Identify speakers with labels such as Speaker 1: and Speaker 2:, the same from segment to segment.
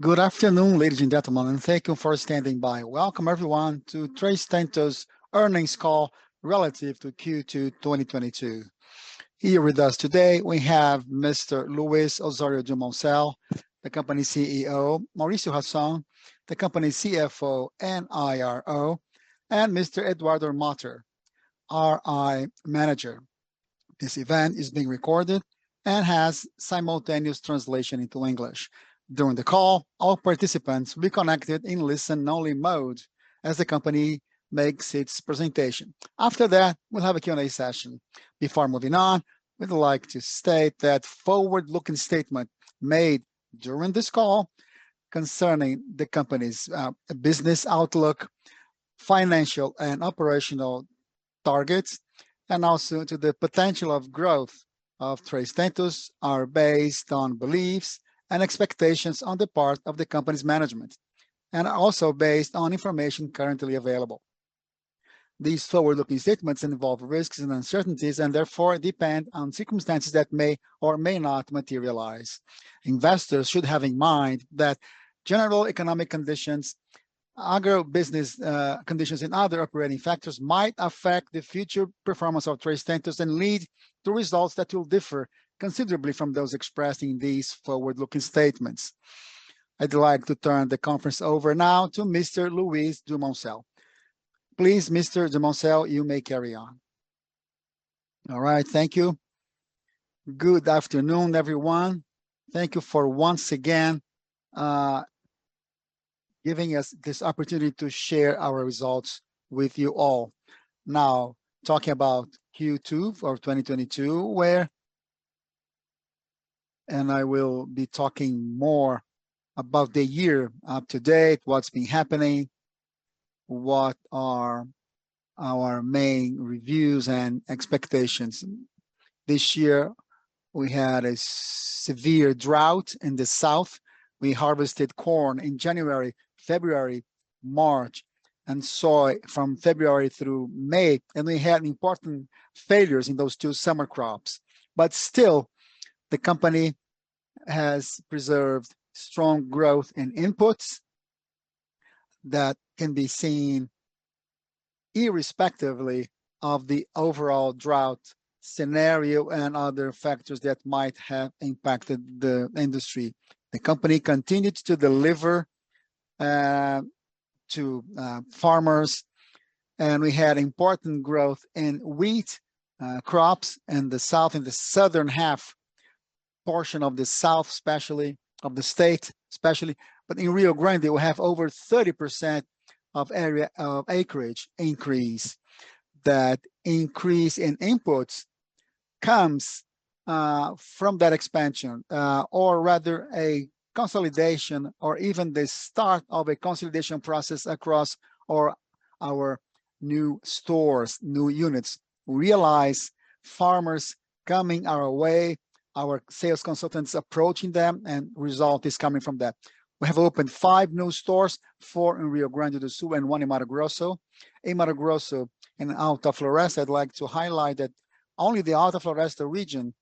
Speaker 1: Good afternoon, ladies and gentlemen, and thank you for standing by. Welcome everyone to Três Tentos' earnings call relative to Q2 2022. Here with us today we have Mr. Luiz Osório Dumoncel, the company's CEO, Mauricio Hassan, the company's CFO and IRO, and Mr. Eduardo Matar, RI manager. This event is being recorded and has simultaneous translation into English. During the call, all participants will be connected in listen only mode as the company makes its presentation. After that, we'll have a Q&A session. Before moving on, we'd like to state that forward-looking statement made during this call concerning the company's business outlook, financial and operational targets, and also to the potential of growth of Três Tentos are based on beliefs and expectations on the part of the company's management, and are also based on information currently available. These forward-looking statements involve risks and uncertainties and therefore depend on circumstances that may or may not materialize. Investors should have in mind that general economic conditions, agribusiness conditions, and other operating factors might affect the future performance of Três Tentos and lead to results that will differ considerably from those expressing these forward-looking statements. I'd like to turn the conference over now to Mr. Luiz Osório Dumoncel. Please, Mr. Luiz Osório Dumoncel, you may carry on. All right.
Speaker 2: Thank you. Good afternoon, everyone. Thank you for once again, giving us this opportunity to share our results with you all. Now, talking about Q2 for 2022. I will be talking more about the year up to date, what's been happening, what are our main results and expectations. This year we had a severe drought in the south. We harvested corn in January, February, March, and soy from February through May, and we had important failures in those two summer crops. Still, the company has preserved strong growth in inputs that can be seen irrespective of the overall drought scenario and other factors that might have impacted the industry. The company continued to deliver to farmers, and we had important growth in wheat crops in the south, in the southern half, portion of the south especially, of the state especially. In Rio Grande we have over 30% of area, of acreage increase. That increase in inputs comes from that expansion, or rather a consolidation or even the start of a consolidation process across our new stores, new units. Realize farmers coming our way, our sales consultants approaching them, and result is coming from that. We have opened five new stores, four in Rio Grande do Sul and one in Mato Grosso. In Mato Grosso, in Alta Floresta, I'd like to highlight that only the Alta Floresta region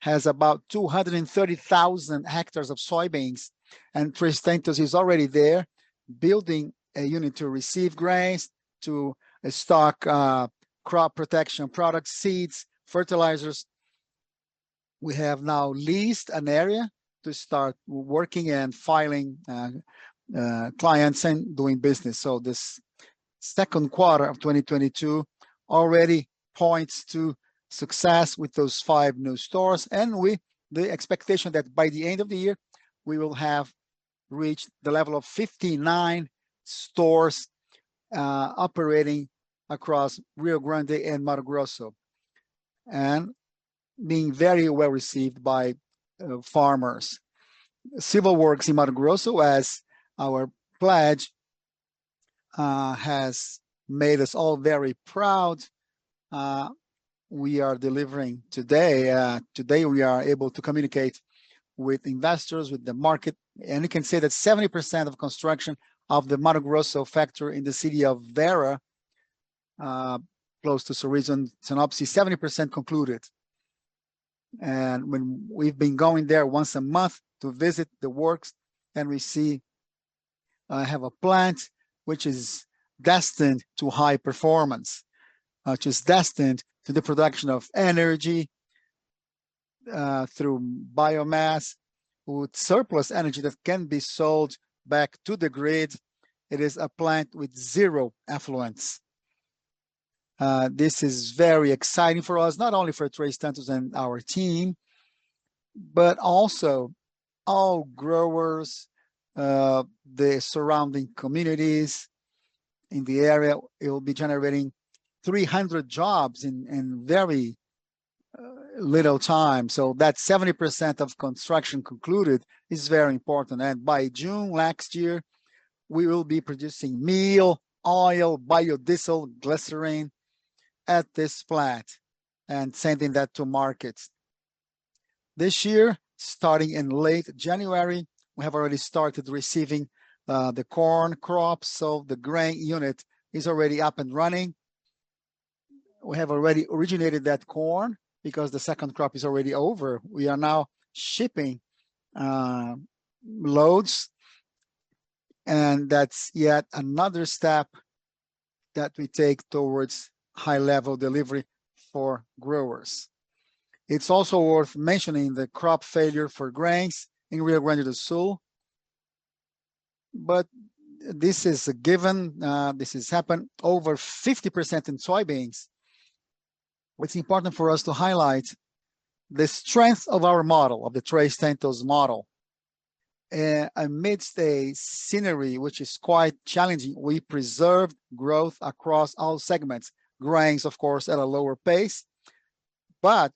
Speaker 2: has about 230,000 hectares of soybeans, and Três Tentos is already there building a unit to receive grains, to stock crop protection products, seeds, fertilizers. We have now leased an area to start working and finding clients and doing business. This second quarter of 2022 already points to success with those five new stores, and the expectation that by the end of the year we will have reached the level of 59 stores operating across Rio Grande do Sul and Mato Grosso and being very well received by farmers. Several works in Mato Grosso as our pledge has made us all very proud. We are delivering today. Today we are able to communicate with investors, with the market, and we can say that 70% of construction of the Mato Grosso factory in the city of Vera, close to Sorriso, 70% concluded. When we've been going there once a month to visit the works and we see we have a plant which is destined to high performance, which is destined to the production of energy through biomass, with surplus energy that can be sold back to the grid. It is a plant with zero effluent. This is very exciting for us, not only for Três Tentos and our team, but also all growers, the surrounding communities in the area. It will be generating 300 jobs in very little time. That 70% of construction concluded is very important, and by June next year, we will be producing meal, oil, biodiesel, glycerine at this plant and sending that to markets. This year, starting in late January, we have already started receiving the corn crops, so the grain unit is already up and running. We have already originated that corn because the second crop is already over. We are now shipping loads, and that's yet another step that we take towards high-level delivery for growers. It's also worth mentioning the crop failure for grains in Rio Grande do Sul, but this is a given. This has happened over 50% in soybeans. What's important for us to highlight the strength of our model, of the Três Tentos model. Amidst a scenario which is quite challenging, we preserved growth across all segments. Grains, of course, at a lower pace.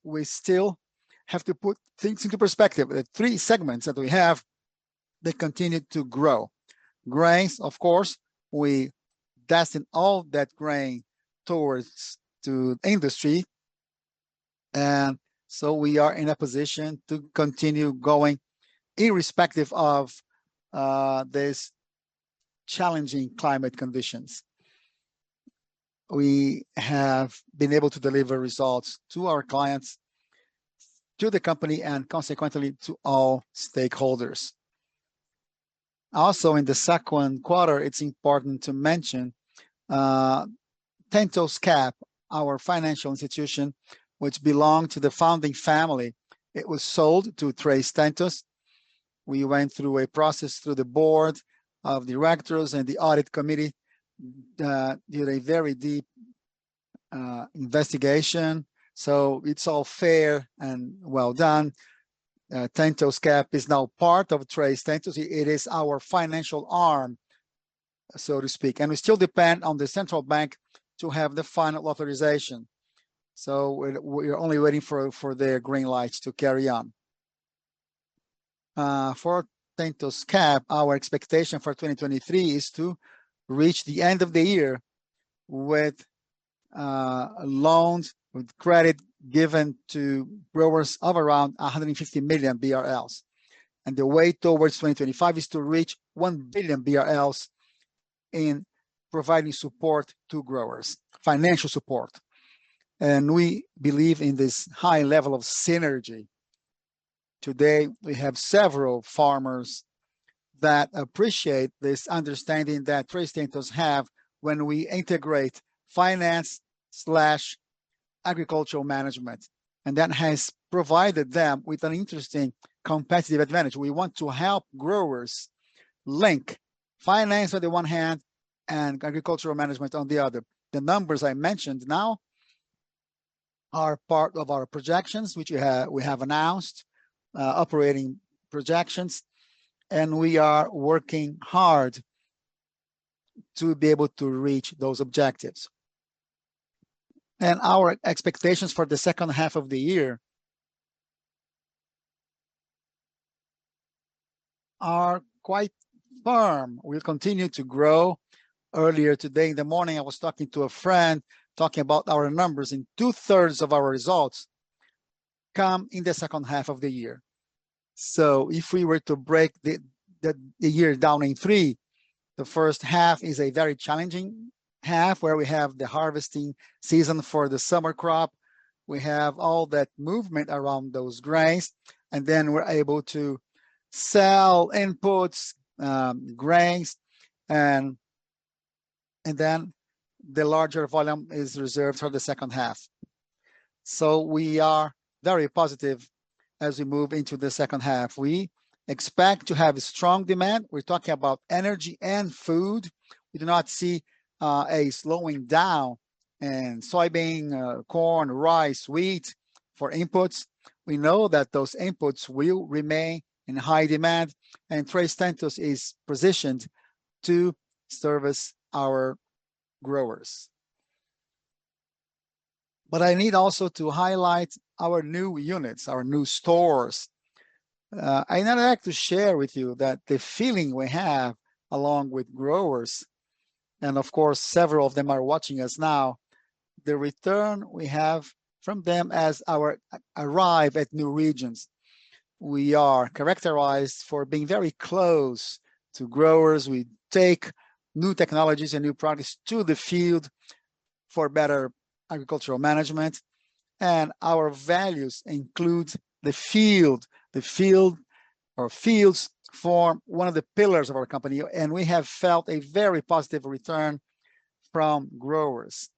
Speaker 2: We still have to put things into perspective. The three segments that we have, they continue to grow. Grains, of course, we destined all that grain towards to industry, and we are in a position to continue going irrespective of this challenging climate conditions. We have been able to deliver results to our clients, to the company, and consequently to all stakeholders. Also, in the second quarter, it's important to mention, TentosCap, our financial institution, which belonged to the founding family, it was sold to Três Tentos. We went through a process through the board of directors and the audit committee that did a very deep investigation. It's all fair and well done. TentosCap is now part of Três Tentos. It is our financial arm, so to speak. We still depend on the Central Bank to have the final authorization. We're only waiting for their green lights to carry on. For TentosCap, our expectation for 2023 is to reach the end of the year with loans with credit given to growers of around 150 million BRL. The way towards 2025 is to reach 1 billion BRL in providing support to growers, financial support. We believe in this high level of synergy. Today, we have several farmers that appreciate this understanding that Três Tentos have when we integrate finance/agricultural management, and that has provided them with an interesting competitive advantage. We want to help growers link finance on the one hand and agricultural management on the other. The numbers I mentioned now are part of our projections, which we have announced, operating projections, and we are working hard to be able to reach those objectives. Our expectations for the second half of the year are quite firm. We'll continue to grow. Earlier today in the morning, I was talking to a friend, talking about our numbers, and two-thirds of our results come in the second half of the year. If we were to break the year down in three, the first half is a very challenging half, where we have the harvesting season for the summer crop. We have all that movement around those grains, and then we're able to sell inputs, grains, and then the larger volume is reserved for the second half. We are very positive as we move into the second half. We expect to have strong demand. We're talking about energy and food. We do not see a slowing down in soybean, corn, rice, wheat for inputs. We know that those inputs will remain in high demand, and Três Tentos is positioned to service our growers. I need also to highlight our new units, our new stores. I now like to share with you that the feeling we have along with growers, and of course, several of them are watching us now, the return we have from them as we arrive at new regions. We are characterized for being very close to growers. We take new technologies and new products to the field for better agricultural management, and our values include the field. The field or fields form one of the pillars of our company, and we have felt a very positive return from growers,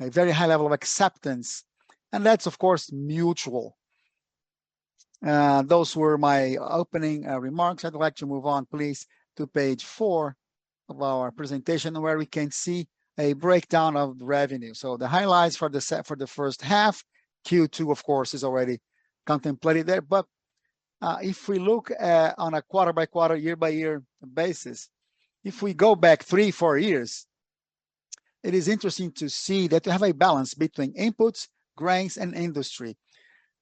Speaker 2: a very high level of acceptance. That's, of course, mutual. Those were my opening remarks. I'd like to move on, please, to page four of our presentation, where we can see a breakdown of revenue. The highlights for the first half, Q2, of course, is already contemplated there. If we look on a quarter-by-quarter, year-by-year basis, if we go back three-four years, it is interesting to see that they have a balance between inputs, grains, and industry.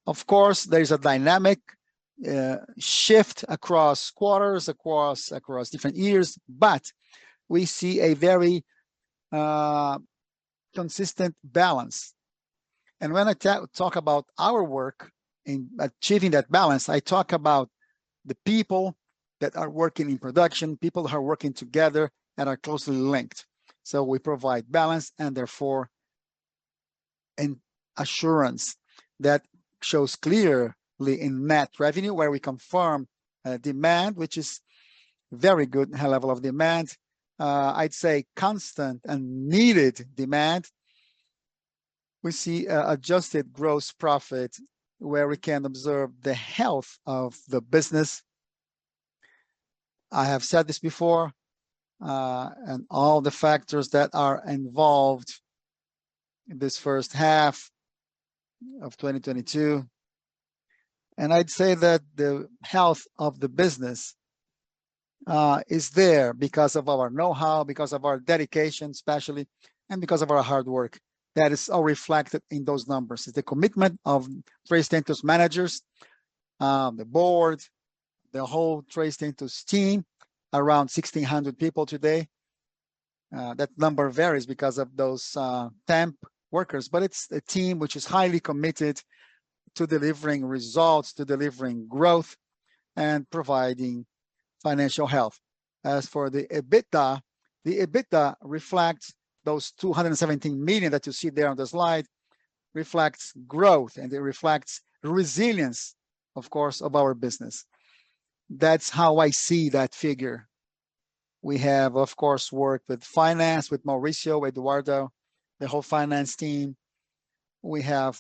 Speaker 2: Of course, there is a dynamic shift across quarters, across different years. We see a very consistent balance. When I talk about our work in achieving that balance, I talk about the people that are working in production, people who are working together and are closely linked. We provide balance and therefore an assurance that shows clearly in net revenue where we confirm demand, which is very good, high level of demand, I'd say constant and needed demand. We see adjusted gross profit where we can observe the health of the business. I have said this before, and all the factors that are involved in this first half of 2022, and I'd say that the health of the business is there because of our know-how, because of our dedication especially, and because of our hard work. That is all reflected in those numbers. It's the commitment of Três Tentos managers, the board, the whole Três Tentos team, around 1,600 people today. That number varies because of those temp workers, but it's a team which is highly committed to delivering results, to delivering growth, and providing financial health. As for the EBITDA, the EBITDA reflects those 217 million that you see there on the slide, reflects growth and it reflects resilience, of course, of our business. That's how I see that figure. We have, of course, worked with finance, with Mauricio, Eduardo, the whole finance team. We have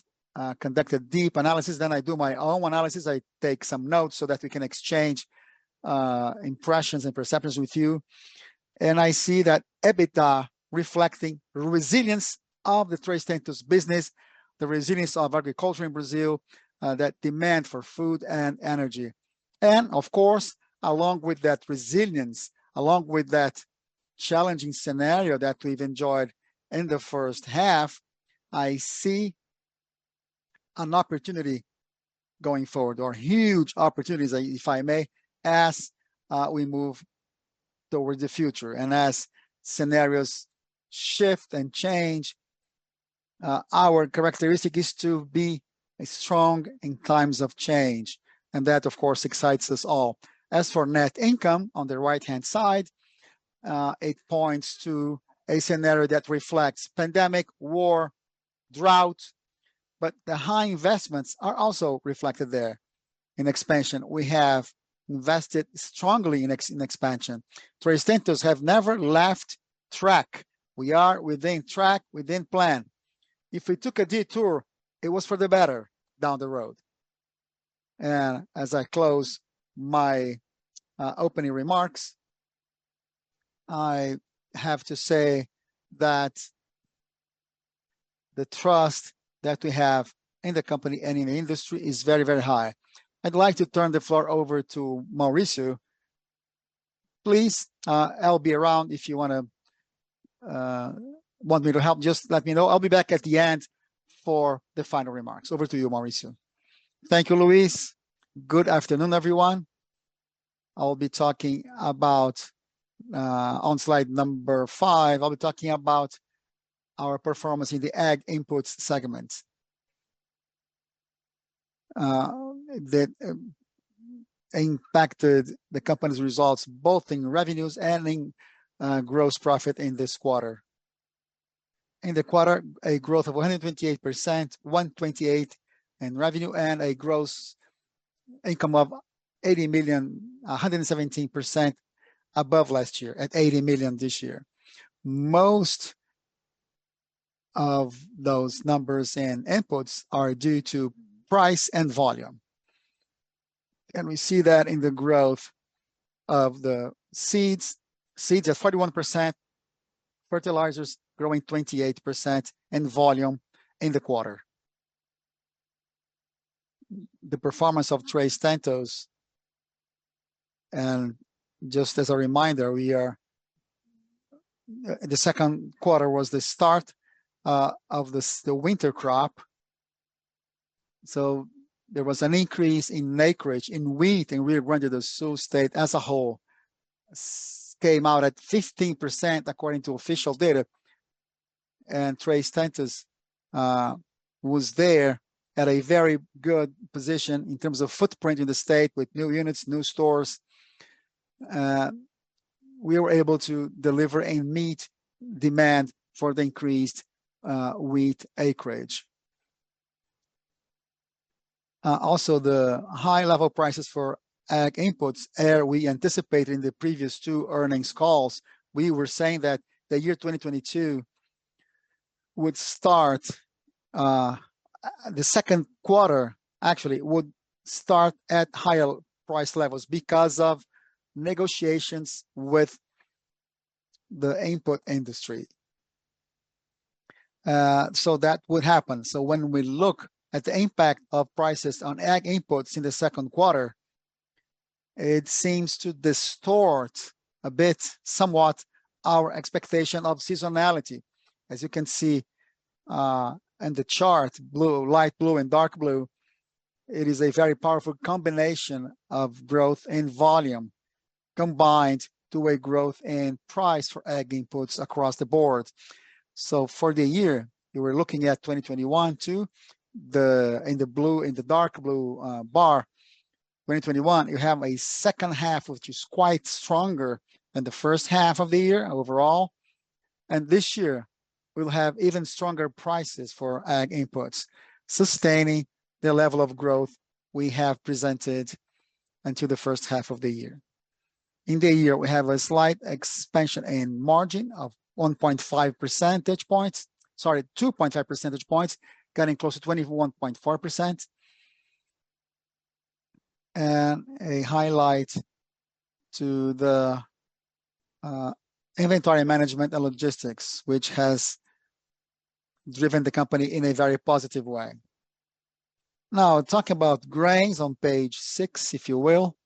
Speaker 2: conducted deep analysis, then I do my own analysis. I take some notes so that we can exchange impressions and perceptions with you. I see that EBITDA reflecting resilience of the Três Tentos business, the resilience of agriculture in Brazil, that demand for food and energy. Of course, along with that resilience, along with that challenging scenario that we've enjoyed in the first half, I see an opportunity going forward, or huge opportunities, if I may, as we move towards the future. Scenarios shift and change, our characteristic is to be strong in times of change, and that, of course, excites us all. As for net income on the right-hand side, it points to a scenario that reflects pandemic, war, drought, but the high investments are also reflected there in expansion. We have invested strongly in expansion. Três Tentos have never left track. We are within track, within plan. If we took a detour, it was for the better down the road. As I close my opening remarks, I have to say that the trust that we have in the company and in the industry is very, very high. I'd like to turn the floor over to Mauricio. Please, I'll be around if you want me to help, just let me know. I'll be back at the end for the final remarks. Over to you, Mauricio.
Speaker 3: Thank you, Luiz. Good afternoon, everyone. I'll be talking about on slide number five, I'll be talking about our performance in the Ag Inputs segment that impacted the company's results, both in revenues and in gross profit in this quarter. In the quarter, a growth of 128%, 128 in revenue and a gross income of 80 million, 117% above last year at 80 million this year. Most of those numbers and inputs are due to price and volume. We see that in the growth of the seeds. Seeds at 41%, fertilizers growing 28% in volume in the quarter. The performance of Três Tentos, and just as a reminder, we are. The second quarter was the start of the winter crop. There was an increase in acreage in wheat, and Rio Grande do Sul state as a whole came out at 15% according to official data, and Três Tentos was there at a very good position in terms of footprint in the state with new units, new stores. We were able to deliver and meet demand for the increased wheat acreage. Also the high level prices for ag inputs, we anticipate in the previous two earnings calls, we were saying that the year 2022 would start the second quarter, actually, would start at higher price levels because of negotiations with the input industry. That would happen. When we look at the impact of prices on ag inputs in the second quarter, it seems to distort a bit, somewhat, our expectation of seasonality. As you can see, in the chart, blue, light blue and dark blue. It is a very powerful combination of growth and volume combined to a growth in price for ag inputs across the board. For the year, you were looking at 2021 to the, in the blue, in the dark blue, bar, 2021, you have a second half which is quite stronger than the first half of the year overall. This year we'll have even stronger prices for ag inputs, sustaining the level of growth we have presented until the first half of the year. In the year, we have a slight expansion in margin of 1.5 percentage points, sorry, 2.5 percentage points, getting close to 21.4%. A highlight to the, inventory management and logistics, which has driven the company in a very positive way. Now talking about grains on page six, if you will.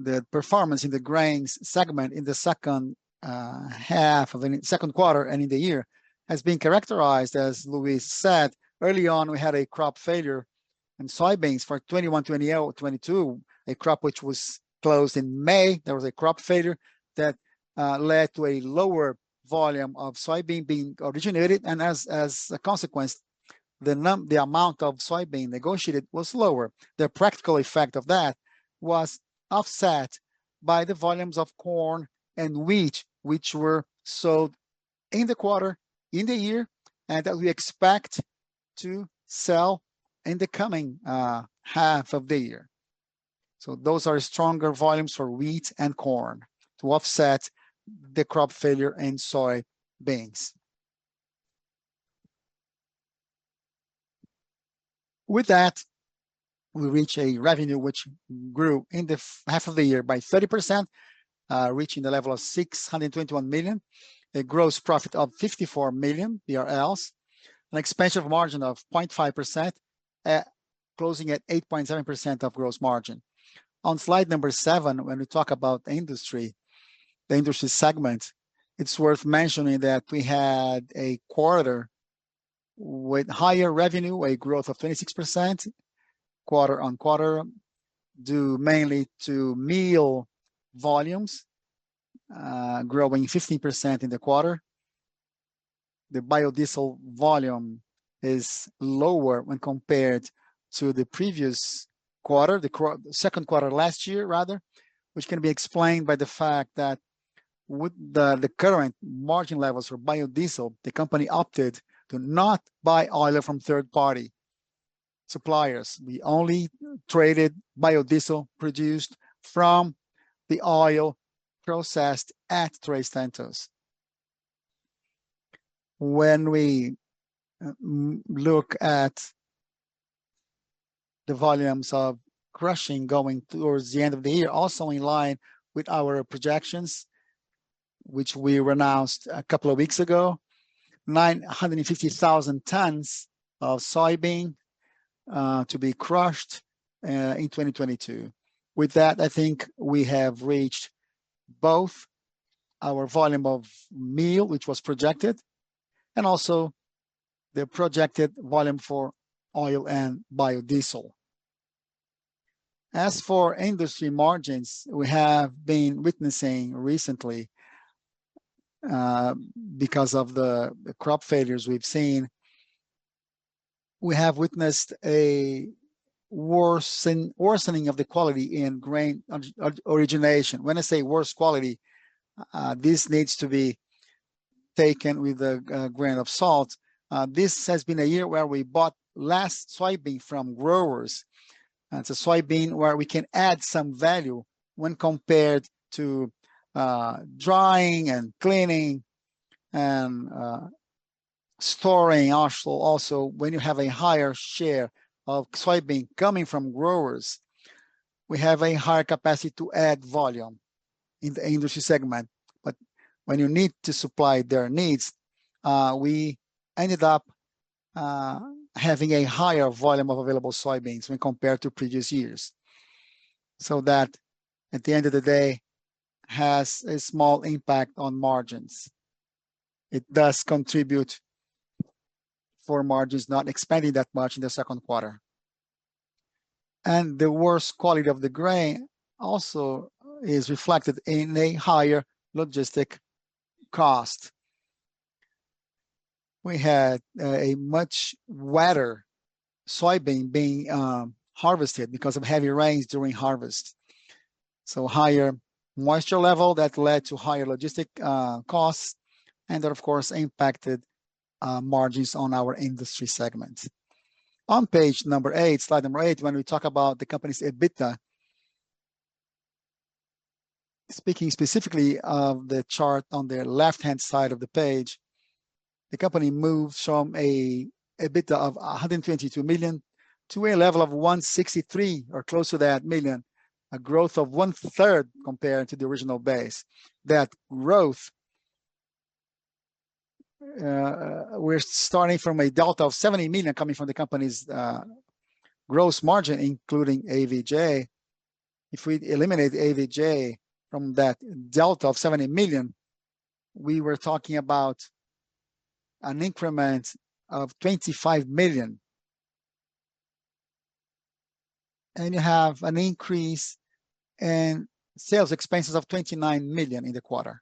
Speaker 3: The performance in the grains segment in the second half of the second quarter and in the year has been characterized, as Luiz said, early on, we had a crop failure in soybeans for 2021-2022, a crop which was closed in May. There was a crop failure that led to a lower volume of soybean being originated. As a consequence, the amount of soybean negotiated was lower. The practical effect of that was offset by the volumes of corn and wheat, which were sowed in the quarter, in the year, and that we expect to sell in the coming half of the year. Those are stronger volumes for wheat and corn to offset the crop failure in soybeans. With that, we reach a revenue which grew in the first half of the year by 30%, reaching the level of 621 million, a gross profit of 54 million, a margin expansion of 0.5%, closing at 8.7% gross margin. On slide number seven, when we talk about the industry, the industry segment, it's worth mentioning that we had a quarter with higher revenue, a growth of 26% quarter-on-quarter, due mainly to meal volumes growing 15% in the quarter. The biodiesel volume is lower when compared to the previous quarter, the second quarter last year rather, which can be explained by the fact that with the current margin levels for biodiesel, the company opted to not buy oil from third party suppliers. We only traded biodiesel produced from the oil processed at three centers. When we look at the volumes of crushing going towards the end of the year, also in line with our projections, which we announced a couple of weeks ago, 950,000 tons of soybean to be crushed in 2022. With that, I think we have reached both our volume of meal, which was projected, and also the projected volume for oil and biodiesel. As for industry margins, we have been witnessing recently, because of the crop failures we've seen, we have witnessed a worsening of the quality in grain origination. When I say worse quality, this needs to be taken with a grain of salt. This has been a year where we bought less soybean from growers. It's a soybean where we can add some value when compared to drying and cleaning and storing also. Also, when you have a higher share of soybean coming from growers, we have a higher capacity to add volume in the industry segment. When you need to supply their needs, we ended up having a higher volume of available soybeans when compared to previous years. That at the end of the day has a small impact on margins. It does contribute for margins not expanding that much in the second quarter. The worse quality of the grain also is reflected in a higher logistic cost. We had a much wetter soybean being harvested because of heavy rains during harvest. Higher moisture level that led to higher logistic costs, and that of course impacted margins on our industry segments. On page number eight, slide number eight, when we talk about the company's EBITDA, speaking specifically of the chart on the left-hand side of the page, the company moved from a EBITDA of 122 million to a level of 163 million or close to that million, a growth of one-third compared to the original base. That growth, we're starting from a delta of 70 million coming from the company's gross margin, including AVJ. If we eliminate AVJ from that delta of 70 million, we were talking about an increment of 25 million and you have an increase in sales expenses of 29 million in the quarter.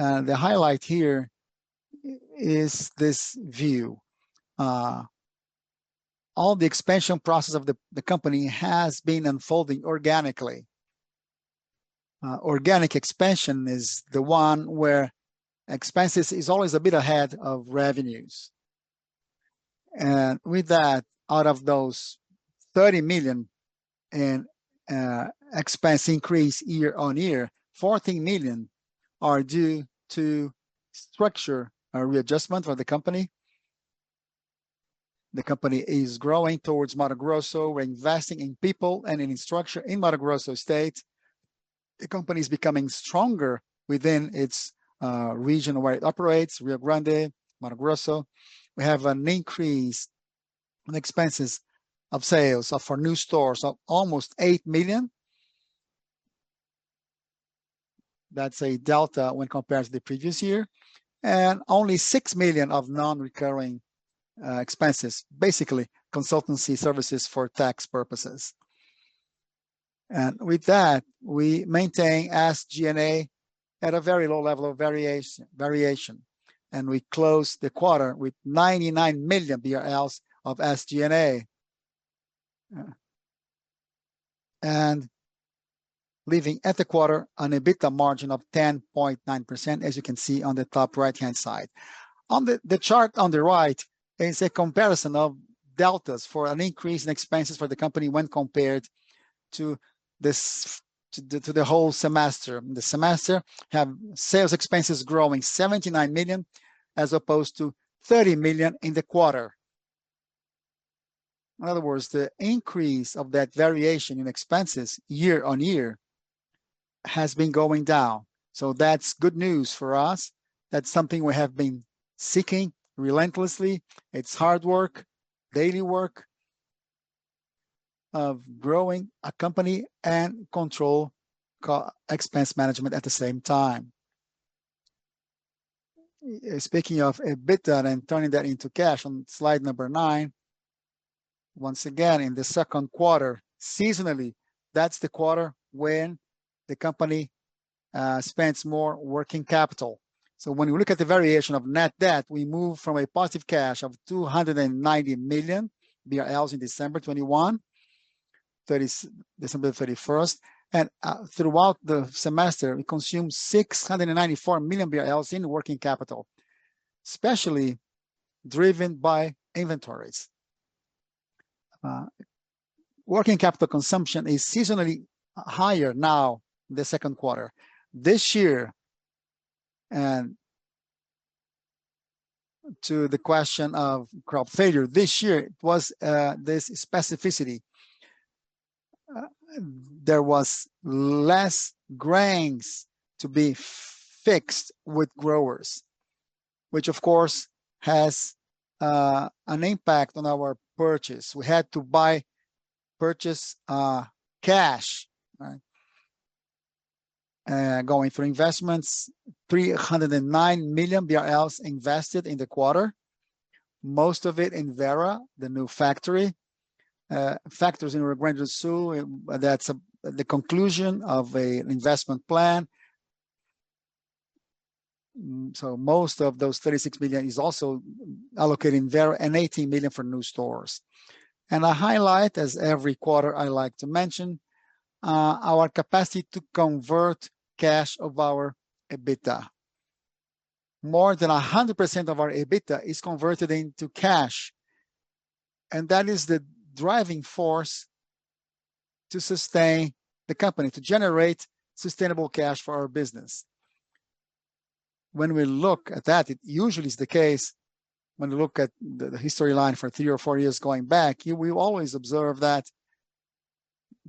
Speaker 3: The highlight here is this view. All the expansion process of the company has been unfolding organically. Organic expansion is the one where expenses is always a bit ahead of revenues. With that, out of those 30 million in expense increase year-on-year, 14 million are due to structure or readjustment for the company. The company is growing towards Mato Grosso. We're investing in people and in infrastructure in Mato Grosso state. The company is becoming stronger within its region where it operates, Rio Grande, Mato Grosso. We have an increase in expenses of sales for new stores of almost 8 million. That's a delta when compared to the previous year. Only 6 million of non-recurring expenses, basically consultancy services for tax purposes. With that, we maintain SG&A at a very low level of variation, and we close the quarter with 99 million BRL of SG&A. Leaving at the quarter on EBITDA margin of 10.9% as you can see on the top right-hand side. On the chart on the right is a comparison of deltas for an increase in expenses for the company when compared to the whole semester. The semester has sales expenses growing 79 million as opposed to 30 million in the quarter. In other words, the increase of that variation in expenses year-on-year has been going down, so that's good news for us. That's something we have been seeking relentlessly. It's hard work, daily work of growing a company and controlling expense management at the same time. Speaking of EBITDA and turning that into cash on slide number 9, once again, in the second quarter, seasonally, that's the quarter when the company spends more working capital. When you look at the variation of net debt, we move from a positive cash of 290 million BRL in December 2021, December 31st. Throughout the semester, we consumed 694 million BRL in working capital, especially driven by inventories. Working capital consumption is seasonally higher now, the second quarter this year, and to the question of crop failure, this year it was this specificity. There was less grains to be fixed with growers, which of course has an impact on our purchase. We had to purchase cash, right? For investments, 309 million BRL invested in the quarter, most of it in Vera, the new factory. Factories in Rio Grande do Sul, that's the conclusion of an investment plan. Most of those 36 million is also allocated in Vera and 80 million for new stores. I highlight, as every quarter I like to mention, our capacity to convert cash of our EBITDA. More than 100% of our EBITDA is converted into cash, and that is the driving force to sustain the company, to generate sustainable cash for our business. When we look at that, it usually is the case when we look at the historical line for three or four years going back, you will always observe that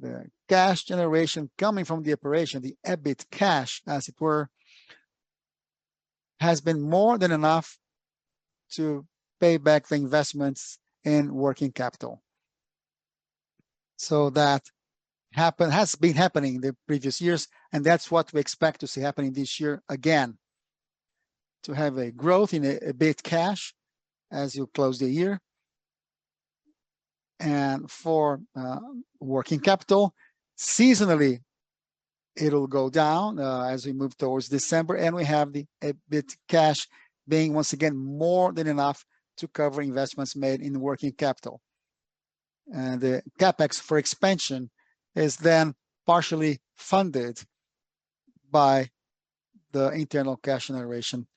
Speaker 3: the cash generation coming from the operation, the EBIT cash as it were, has been more than enough to pay back the investments in working capital. That has been happening the previous years, and that's what we expect to see happening this year again, to have a growth in EBIT cash as you close the year. For working capital, seasonally it'll go down as we move towards December, and we have the EBIT cash being once again more than enough to cover investments made in working capital. The CapEx for expansion is then partially funded by the internal cash generation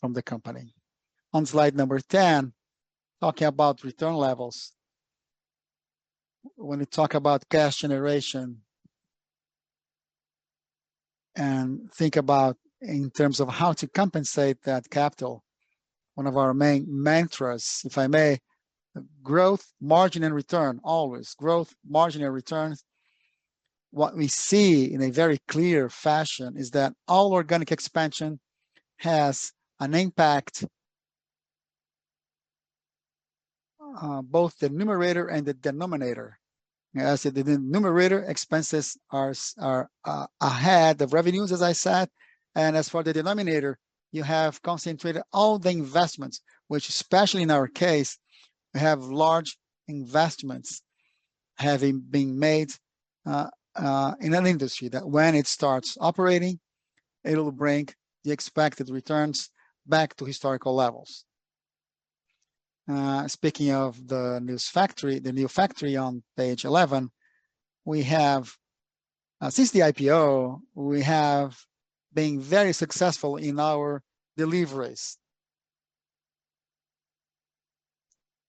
Speaker 3: from the company. On slide number 10, talking about return levels. When we talk about cash generation and think about in terms of how to compensate that capital, one of our main mantras, if I may, growth, margin and return, always. Growth, margin and return. What we see in a very clear fashion is that all organic expansion has an impact both the numerator and the denominator. As the numerator expenses are ahead of revenues, as I said, and as for the denominator, you have concentrated all the investments, which, especially in our case, have large investments having been made, in an industry that when it starts operating, it'll bring the expected returns back to historical levels. Speaking of the new factory on page 11, since the IPO, we have been very successful in our deliveries.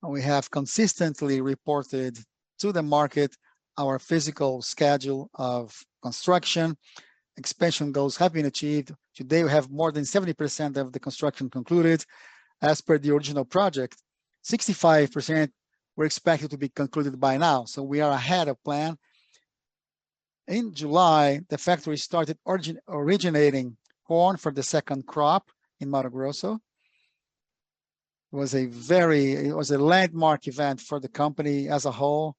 Speaker 3: We have consistently reported to the market our physical schedule of construction. Expansion goals have been achieved. Today, we have more than 70% of the construction concluded. As per the original project, 65% were expected to be concluded by now, so we are ahead of plan. In July, the factory started originating corn for the second crop in Mato Grosso. It was a very it was a landmark event for the company as a whole.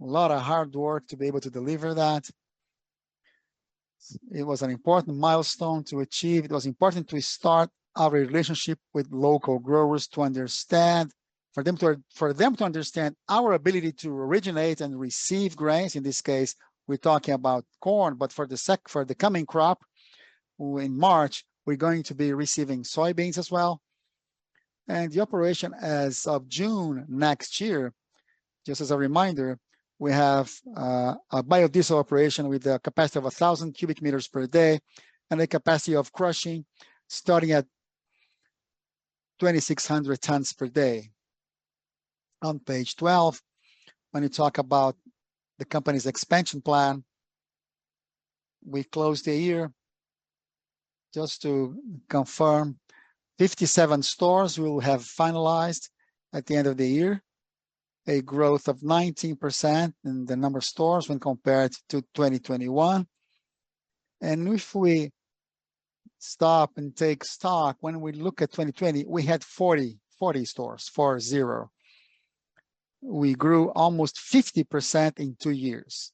Speaker 3: A lot of hard work to be able to deliver that. It was an important milestone to achieve. It was important to start our relationship with local growers to understand for them to understand our ability to originate and receive grains. In this case, we're talking about corn, but for the coming crop, in March, we're going to be receiving soybeans as well. The operation as of June next year, just as a reminder, we have a biodiesel operation with a capacity of 1,000 cubic meters per day and a capacity of crushing starting at 2,600 tons per day. On page 12, when you talk about the company's expansion plan, we closed the year, just to confirm, 57 stores we will have finalized at the end of the year, a growth of 19% in the number of stores when compared to 2021. If we stop and take stock, when we look at 2020, we had 40 stores. We grew almost 50% in two years.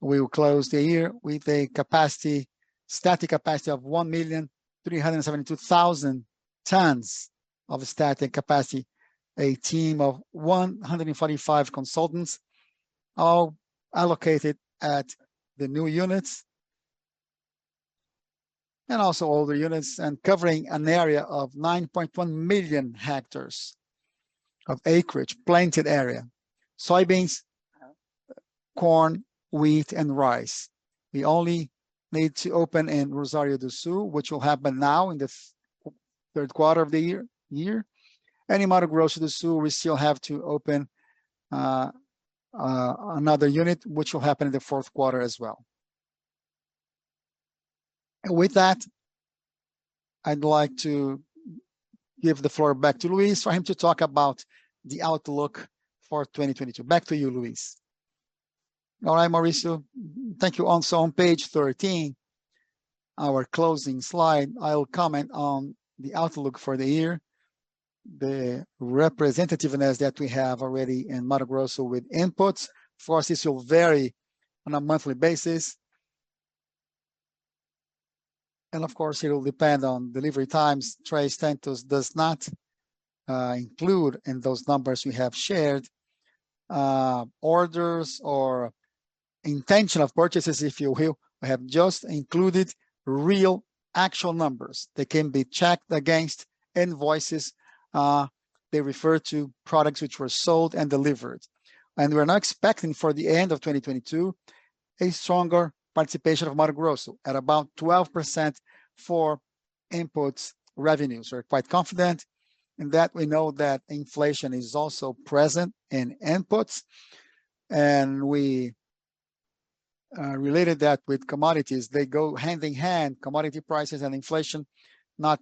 Speaker 3: We will close the year with a capacity, static capacity of 1,372,000 tons of static capacity. A team of 145 consultants, all allocated at the new units and also older units and covering an area of 9.1 million hectares of acreage, planted area, soybeans, corn, wheat, and rice. We only need to open in Rosário do Sul, which will happen now in the third quarter of the year. In Mato Grosso do Sul, we still have to open another unit, which will happen in the fourth quarter as well. With that, I'd like to give the floor back to Luiz for him to talk about the outlook for 2022. Back to you, Luiz.
Speaker 2: All right, Mauricio. Thank you. Also on page 13, our closing slide, I will comment on the outlook for the year. The representativeness that we have already in Mato Grosso with inputs for us, this will vary on a monthly basis. Of course, it'll depend on delivery times. Três Tentos does not include in those numbers we have shared orders or intention of purchases, if you will. We have just included real actual numbers. They can be checked against invoices. They refer to products which were sold and delivered. We're now expecting for the end of 2022 a stronger participation of Mato Grosso at about 12% for inputs revenues. We're quite confident in that. We know that inflation is also present in inputs, and we related that with commodities. They go hand-in-hand, commodity prices and inflation, not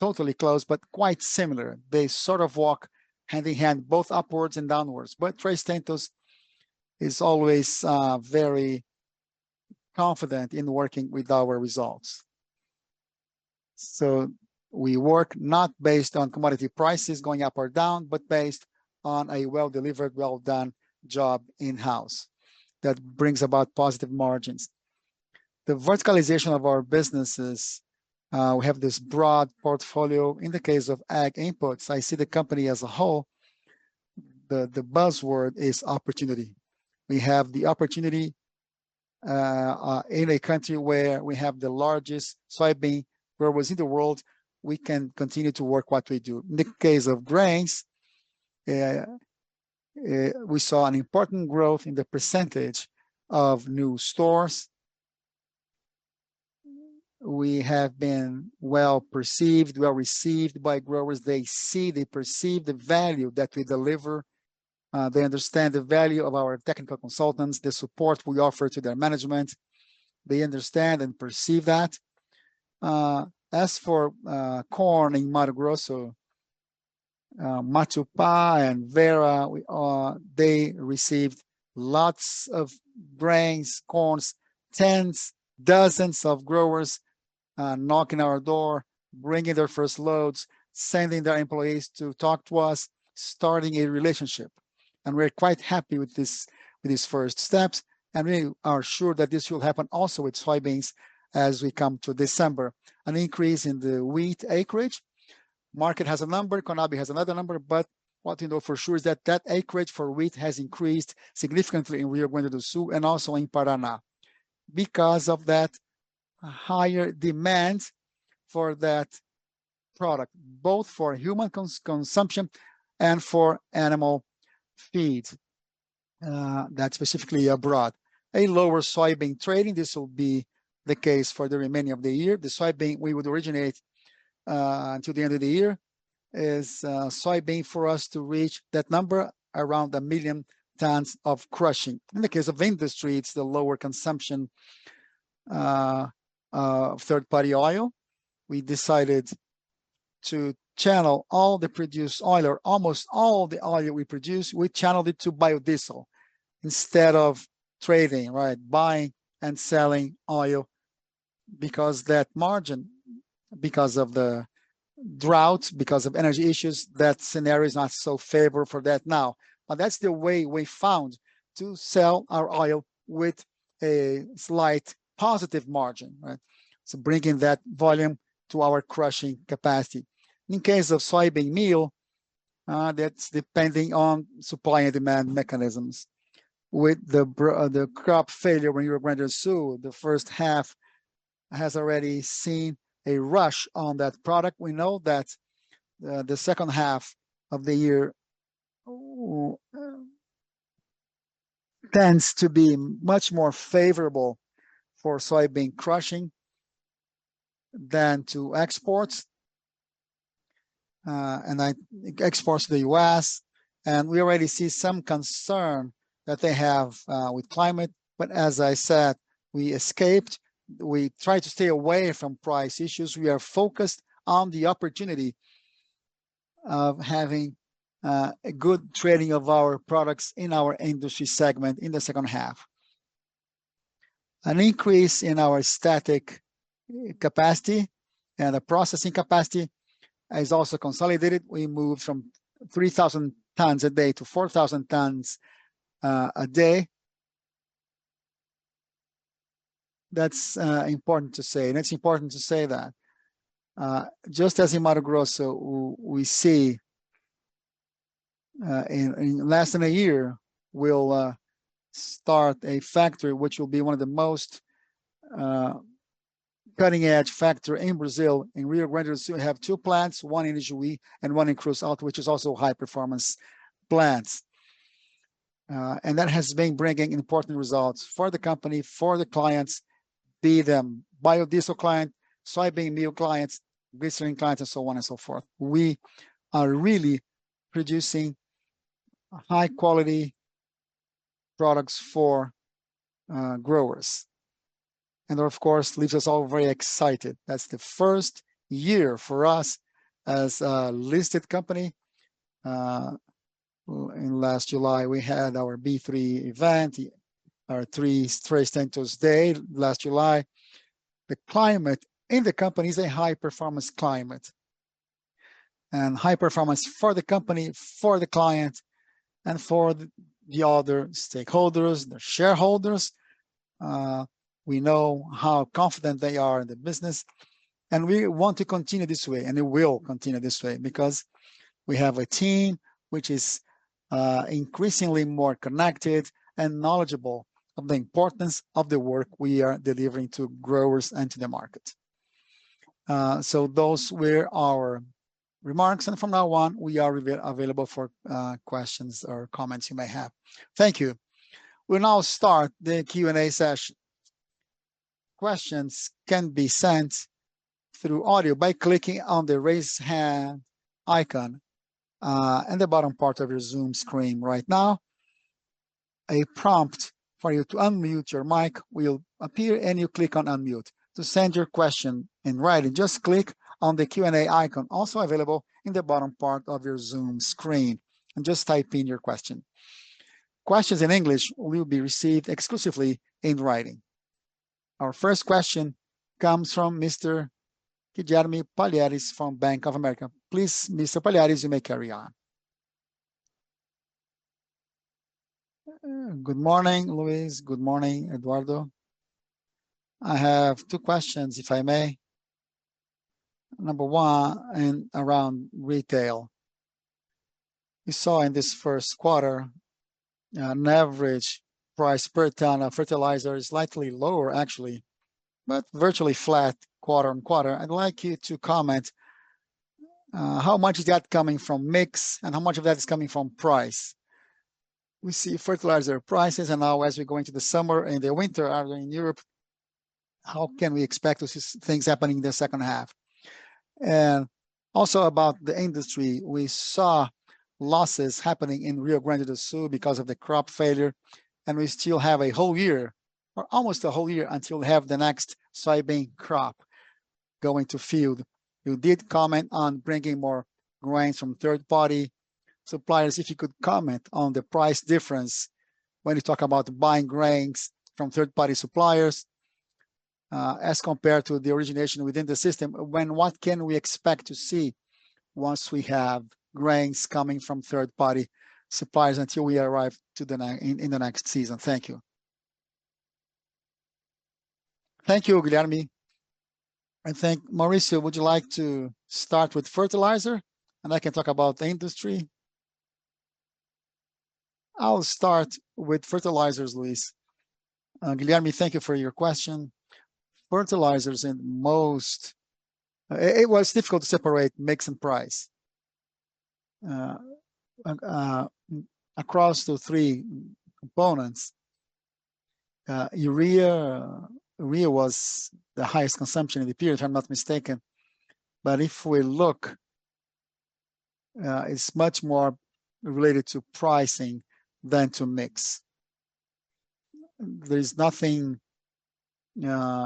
Speaker 2: totally close, but quite similar. They sort of walk hand-in-hand both upwards and downwards. Três Tentos is always very confident in working with our results. We work not based on commodity prices going up or down, but based on a well-delivered, well-done job in-house that brings about positive margins. The verticalization of our businesses, we have this broad portfolio. In the case of ag inputs, I see the company as a whole. The buzzword is opportunity. We have the opportunity in a country where we have the largest soybean growers in the world, we can continue to work what we do. In the case of grains, we saw an important growth in the percentage of new stores. We have been well-perceived, well-received by growers. They see, they perceive the value that we deliver, they understand the value of our technical consultants, the support we offer to their management. They understand and perceive that. As for corn in Mato Grosso, Matupa and Vera, they received lots of grains, corn, tens, dozens of growers knocking on our door, bringing their first loads, sending their employees to talk to us, starting a relationship. We're quite happy with this, with these first steps, and we are sure that this will happen also with soybeans as we come to December. An increase in the wheat acreage. Market has a number, Conab has another number, but what we know for sure is that acreage for wheat has increased significantly in Rio Grande do Sul and also in Paraná because of that higher demand for that product, both for human consumption and for animal feed, that's specifically abroad. A lower soybean trading, this will be the case for the remaining of the year. The soybean we would originate until the end of the year is soybean for us to reach that number around 1 million tons of crushing. In the case of industry, it's the lower consumption of third-party oil. We decided to channel all the produced oil, or almost all the oil we produce, we channeled it to biodiesel instead of trading, right? Buying and selling oil because that margin, because of the droughts, because of energy issues, that scenario is not so favorable for that now. That's the way we found to sell our oil with a slight positive margin, right? Bringing that volume to our crushing capacity. In case of soybean meal, that's depending on supply and demand mechanisms. With the crop failure in Rio Grande do Sul, the first half has already seen a rush on that product. We know that the second half of the year tends to be much more favorable for soybean crushing than to exports to the U.S., and we already see some concern that they have with climate. As I said, we escaped. We try to stay away from price issues. We are focused on the opportunity of having a good trading of our products in our industry segment in the second half. An increase in our storage capacity and the processing capacity is also consolidated. We moved from 3,000 tons a day to 4,000 tons a day. That's important to say, and it's important to say that. Just as in Mato Grosso, we see in less than a year we'll start a factory which will be one of the most cutting-edge factory in Brazil. In Rio Grande do Sul, we have two plants, one in Ijuí and one in Cruz Alta, which is also high-performance plants. That has been bringing important results for the company, for the clients, be they biodiesel client, soybean meal clients, glycerin clients, and so on and so forth. We are really producing high-quality products for growers. That, of course, leaves us all very excited. That's the first year for us as a listed company. Last July, we had our B3 event, our Três Tentos day last July. The climate in the company is a high-performance climate, and high performance for the company, for the clients, and for the other stakeholders, the shareholders. We know how confident they are in the business, and we want to continue this way, and it will continue this way, because we have a team which is increasingly more connected and knowledgeable of the importance of the work we are delivering to growers and to the market. Those were our remarks, and from now on, we are available for questions or comments you may have. Thank you. We'll now start the Q&A session.
Speaker 1: Questions can be sent through audio by clicking on the raise hand icon, in the bottom part of your Zoom screen right now. A prompt for you to unmute your mic will appear, and you click on Unmute. To send your question in writing, just click on the Q&A icon also available in the bottom part of your Zoom screen, and just type in your question. Questions in English will be received exclusively in writing. Our first question comes from Mr. Guilherme Palhares from Bank of America. Please, Mr. Palhares, you may carry on.
Speaker 4: Good morning, Luiz. Good morning, Eduardo. I have two questions, if I may. Number one, in our retail. You saw in this first quarter, an average price per ton of fertilizer is slightly lower actually, but virtually flat quarter-over-quarter. I'd like you to comment, how much is that coming from mix and how much of that is coming from price? We see fertilizer prices and now as we go into the summer and the winter, in Europe, how can we expect to see things happening in the second half? Also about the industry, we saw losses happening in Rio Grande do Sul because of the crop failure, and we still have a whole year, or almost a whole year, until we have the next soybean crop going to field? You did comment on bringing more grains from third-party suppliers. If you could comment on the price difference. When you talk about buying grains from third-party suppliers, as compared to the origination within the system, what can we expect to see once we have grains coming from third-party suppliers until we arrive in the next season? Thank you.
Speaker 2: Thank you, Guilherme. Thank you, Mauricio, would you like to start with fertilizer? I can talk about the industry.
Speaker 3: I'll start with fertilizers, Luiz. Guilherme, thank you for your question. Fertilizers in most. It was difficult to separate mix and price. Across the three components, urea was the highest consumption in the period, if I'm not mistaken. If we look, it's much more related to pricing than to mix. There's nothing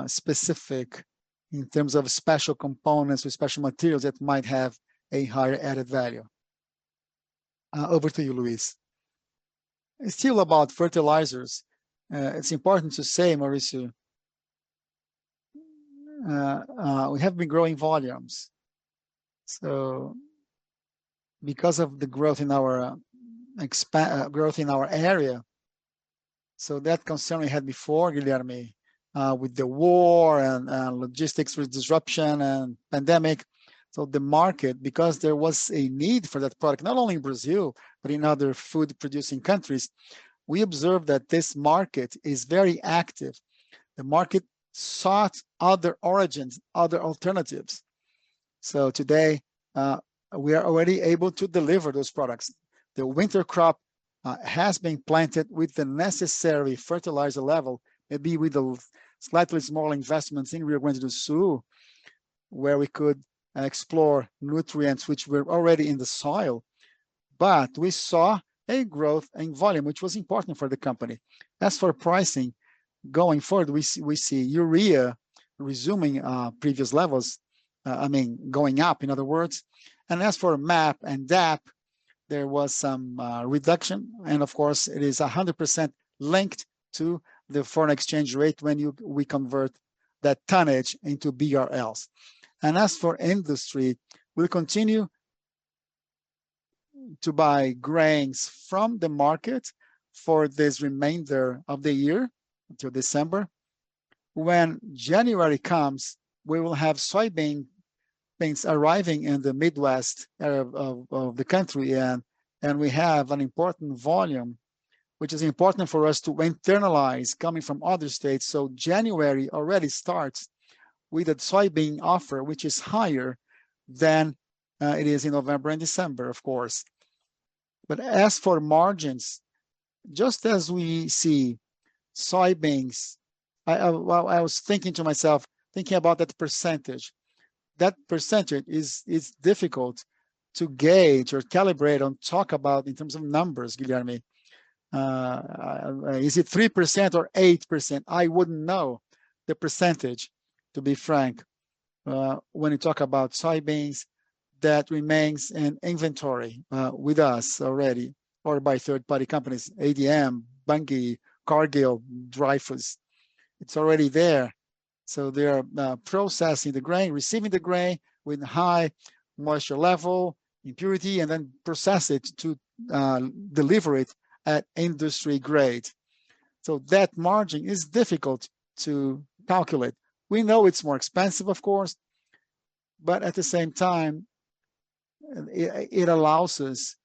Speaker 3: specific in terms of special components or special materials that might have a higher added value. Over to you, Luiz.
Speaker 2: Still about fertilizers, it's important to say, Mauricio, we have been growing volumes, so because of the growth in our area. That concern we had before, Guilherme, with the war and logistics with disruption and pandemic. The market, because there was a need for that product, not only in Brazil, but in other food-producing countries, we observed that this market is very active. The market sought other origins, other alternatives. Today, we are already able to deliver those products. The winter crop has been planted with the necessary fertilizer level, maybe with a slightly smaller investment in Rio Grande do Sul, where we could explore nutrients which were already in the soil. We saw a growth in volume, which was important for the company. As for pricing going forward, we see urea resuming previous levels, I mean, going up, in other words. As for MAP and DAP, there was some reduction. Of course, it is 100% linked to the foreign exchange rate when we convert that tonnage into BRL. As for industry, we'll continue to buy grains from the market for this remainder of the year until December. When January comes, we will have soybeans arriving in the Midwest of the country, and we have an important volume, which is important for us to internalize coming from other states. January already starts with a soybean offer, which is higher than it is in November and December, of course. As for margins, just as we see soybeans. Well, I was thinking to myself, thinking about that percentage. That percentage is difficult to gauge or calibrate and talk about in terms of numbers, Guilherme. Is it 3% or 8%? I wouldn't know the percentage, to be frank. When you talk about soybeans that remains in inventory with us already or by third-party companies, ADM, Bunge, Cargill, Louis Dreyfus. It's already there. They are processing the grain, receiving the grain with high moisture level, impurity, and then process it to deliver it at industry grade. That margin is difficult to calculate. We know it's more expensive, of course, but at the same time, it allows us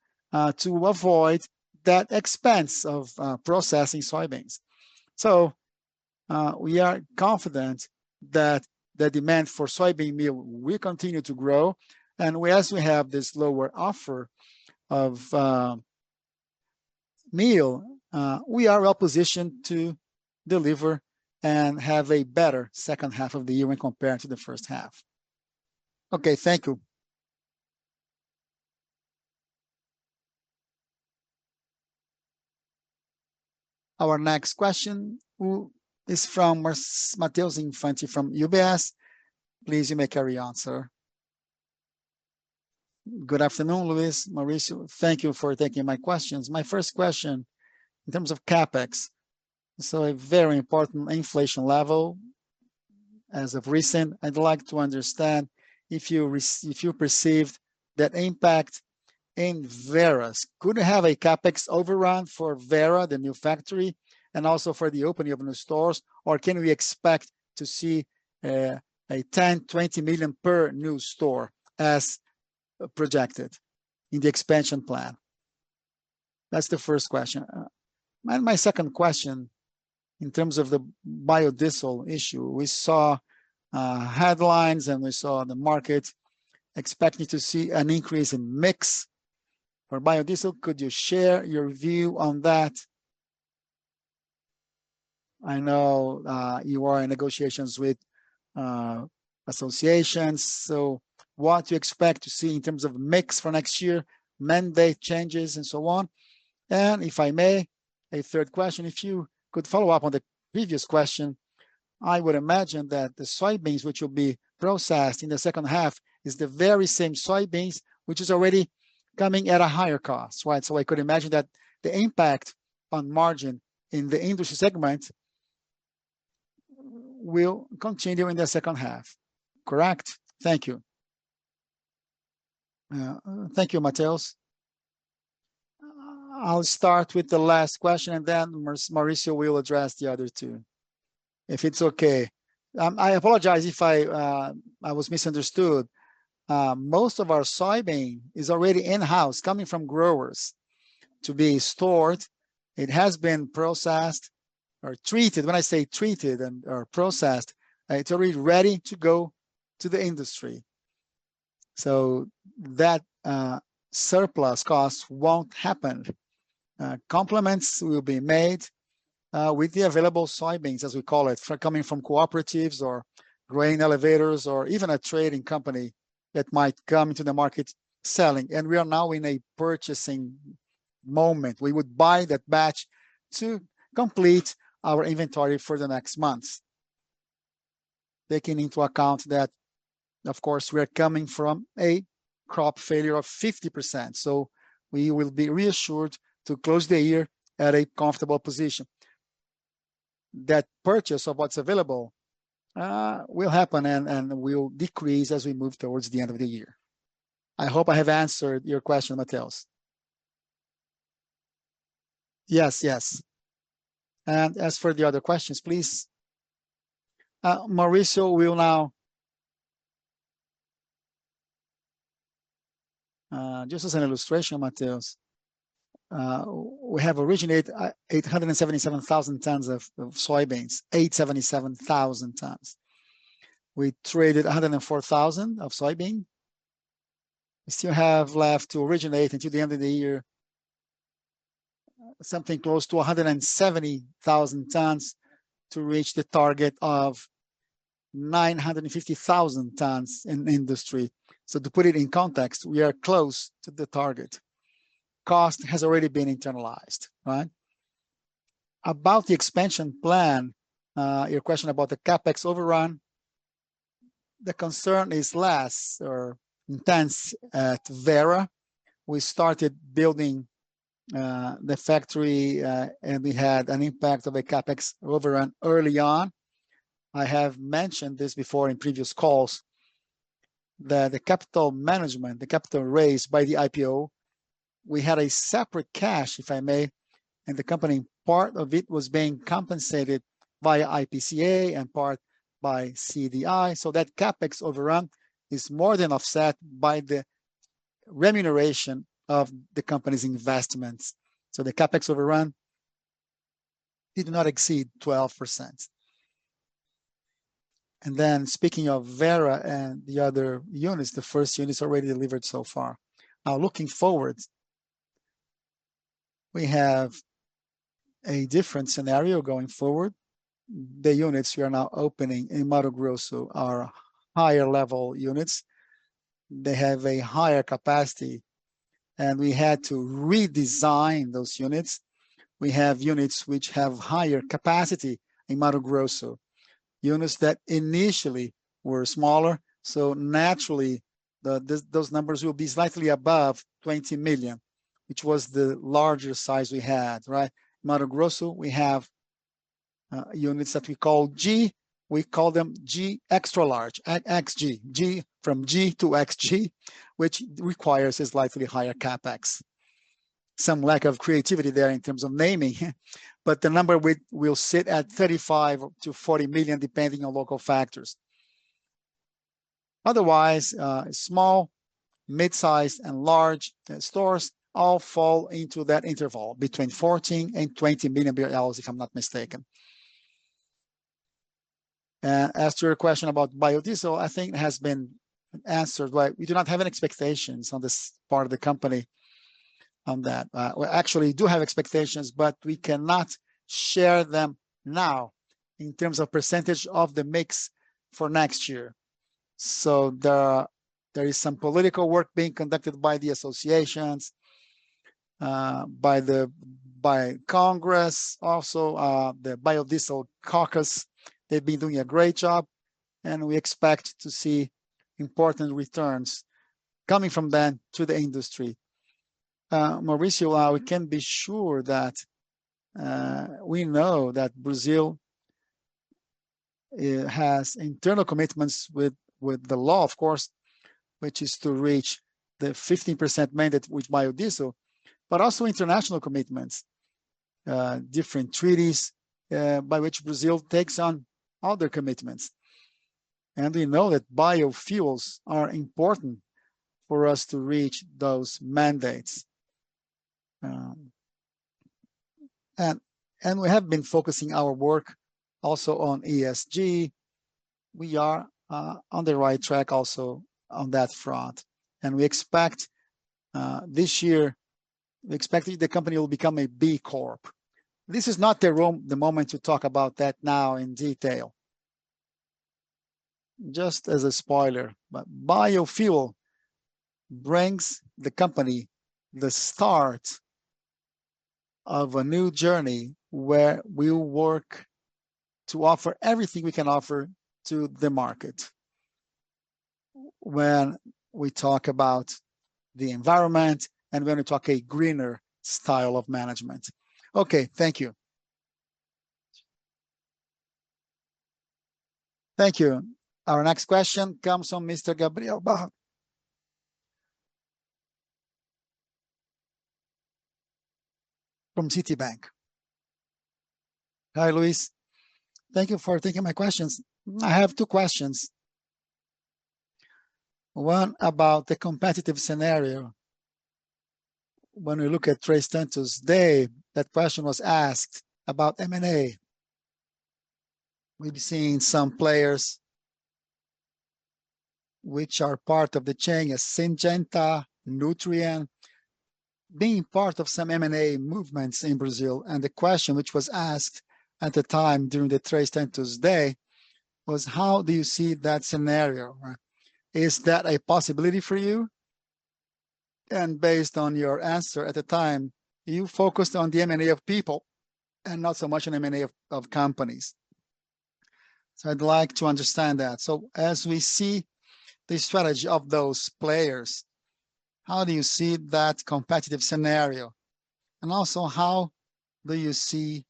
Speaker 2: to avoid that expense of processing soybeans. We are confident that the demand for soybean meal will continue to grow, and we also have this lower offer of meal. We are well positioned to deliver and have a better second half of the year when compared to the first half.
Speaker 4: Okay, thank you.
Speaker 1: Our next question is from Mateus Infante from UBS. Please, you may carry on, sir.
Speaker 5: Good afternoon, Luiz, Mauricio. Thank you for taking my questions. My first question, in terms of CapEx, a very important inflation level as of recent. I'd like to understand if you perceived that impact in Veras. Could have a CapEx overrun for Vera, the new factory, and also for the opening of new stores, or can we expect to see 10 million-20 million per new store as projected in the expansion plan? That's the first question. My second question, in terms of the biodiesel issue, we saw headlines, and we saw the market expecting to see an increase in mix for biodiesel. Could you share your view on that? I know you are in negotiations with associations, so what do you expect to see in terms of mix for next year, mandate changes, and so on? If I may, a third question, if you could follow up on the previous question. I would imagine that the soybeans which will be processed in the second half is the very same soybeans which is already coming at a higher cost, right? So I could imagine that the impact on margin in the industry segment will continue in the second half. Correct. Thank you.
Speaker 2: Thank you, Mateus. I'll start with the last question, and then Mauricio will address the other two, if it's okay. I apologize if I was misunderstood. Most of our soybean is already in-house coming from growers to be stored. It has been processed or treated. When I say treated and/or processed, it's already ready to go to the industry. So that surplus cost won't happen. Complements will be made with the available soybeans, as we call it, for coming from cooperatives or grain elevators or even a trading company that might come to the market selling. We are now in a purchasing moment. We would buy that batch to complete our inventory for the next months, taking into account that, of course, we are coming from a crop failure of 50%. We will be reassured to close the year at a comfortable position. That purchase of what's available will happen and will decrease as we move towards the end of the year. I hope I have answered your question, Mateus.
Speaker 5: Yes. Yes.
Speaker 2: As for the other questions, please. Mauricio will now.
Speaker 3: Just as an illustration, Mateus, we have originated 877,000 tons of soybeans. We traded 104,000 of soybean. We still have left to originate until the end of the year something close to 170,000 tons to reach the target of 950,000 tons in industry. To put it in context, we are close to the target. Cost has already been internalized, right? About the expansion plan, your question about the CapEx overrun, the concern is less intense at Vera. We started building the factory, and we had an impact of a CapEx overrun early on. I have mentioned this before in previous calls that the capital management, the capital raised by the IPO, we had a separate cash, if I may, in the company. Part of it was being compensated via IPCA and part by CDI. That CapEx overrun is more than offset by the remuneration of the company's investments. The CapEx overrun did not exceed 12%. Speaking of Vera and the other units, the first unit is already delivered so far. Now looking forward, we have a different scenario going forward. The units we are now opening in Mato Grosso are higher level units. They have a higher capacity, and we had to redesign those units. We have units which have higher capacity in Mato Grosso, units that initially were smaller. Naturally, those numbers will be slightly above 20 million, which was the larger size we had, right? Mato Grosso, we have units that we call G. We call them G extra large, XG. G from G to XG, which requires a slightly higher CapEx. Some lack of creativity there in terms of naming, but the number will sit at 35-40 million, depending on local factors. Otherwise, small, mid-size, and large stores all fall into that interval between 14 and 20 million barrels, if I'm not mistaken. As to your question about biodiesel, I think it has been answered, right? We do not have any expectations on this part of the company on that. We actually do have expectations, but we cannot share them now in terms of percentage of the mix for next year. There is some political work being conducted by the associations, by Congress also, the Biodiesel Caucus. They've been doing a great job, and we expect to see important returns coming from them to the industry.
Speaker 2: Mauricio, we can be sure that we know that Brazil has internal commitments with the law, of course, which is to reach the 15% mandate with biodiesel, but also international commitments, different treaties, by which Brazil takes on other commitments. We know that biofuels are important for us to reach those mandates. We have been focusing our work also on ESG. We are on the right track also on that front. We expect this year the company will become a B Corp. This is not the moment to talk about that now in detail. Just as a spoiler, but biofuel brings the company the start of a new journey where we will work to offer everything we can offer to the market when we talk about the environment and we're gonna talk a greener style of management. Okay, thank you.
Speaker 1: Thank you. Our next question comes from Mr. Gabriel Barra from Citibank.
Speaker 6: Hi, Luiz. Thank you for taking my questions. I have two questions. One about the competitive scenario. When we look at Três Tentos today, that question was asked about M&A. We've seen some players which are part of the chain as Syngenta, Nutrien, being part of some M&A movements in Brazil, and the question which was asked at the time during the Três Tentos day was, how do you see that scenario? Is that a possibility for you? Based on your answer at the time, you focused on the M&A of people and not so much on M&A of companies. I'd like to understand that. As we see the strategy of those players, how do you see that competitive scenario? Also, how do you see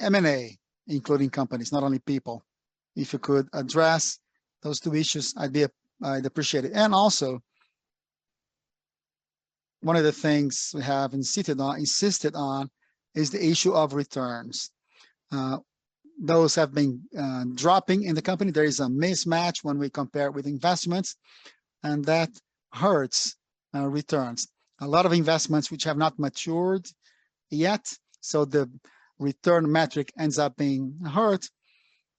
Speaker 6: M&A, including companies, not only people? If you could address those two issues, I'd appreciate it. Also, one of the things we have insisted on is the issue of returns. Those have been dropping in the company. There is a mismatch when we compare with investments, and that hurts our returns. A lot of investments which have not matured yet, so the return metric ends up being hurt.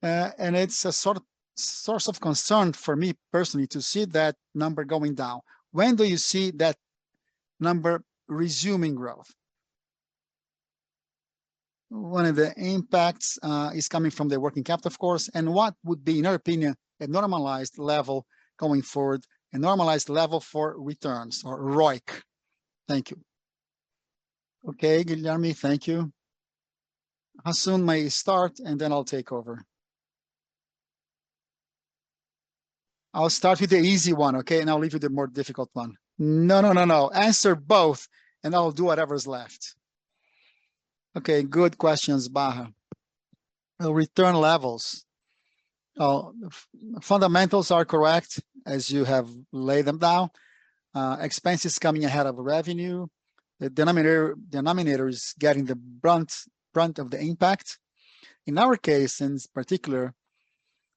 Speaker 6: It's a sort of source of concern for me personally to see that number going down. When do you see that number resuming growth? One of the impacts is coming from the working capital, of course, and what would be, in your opinion, a normalized level going forward, a normalized level for returns or ROIC? Thank you.
Speaker 2: Okay, Guilherme, thank you. Hassan may start, and then I'll take over.
Speaker 3: I'll start with the easy one, okay, and I'll leave you the more difficult one.
Speaker 2: No. Answer both, and I'll do whatever is left.
Speaker 3: Okay. Good questions, Barra. Return levels. Fundamentals are correct as you have laid them down. Expenses coming ahead of revenue. The denominator is getting the brunt of the impact. In our case, in particular,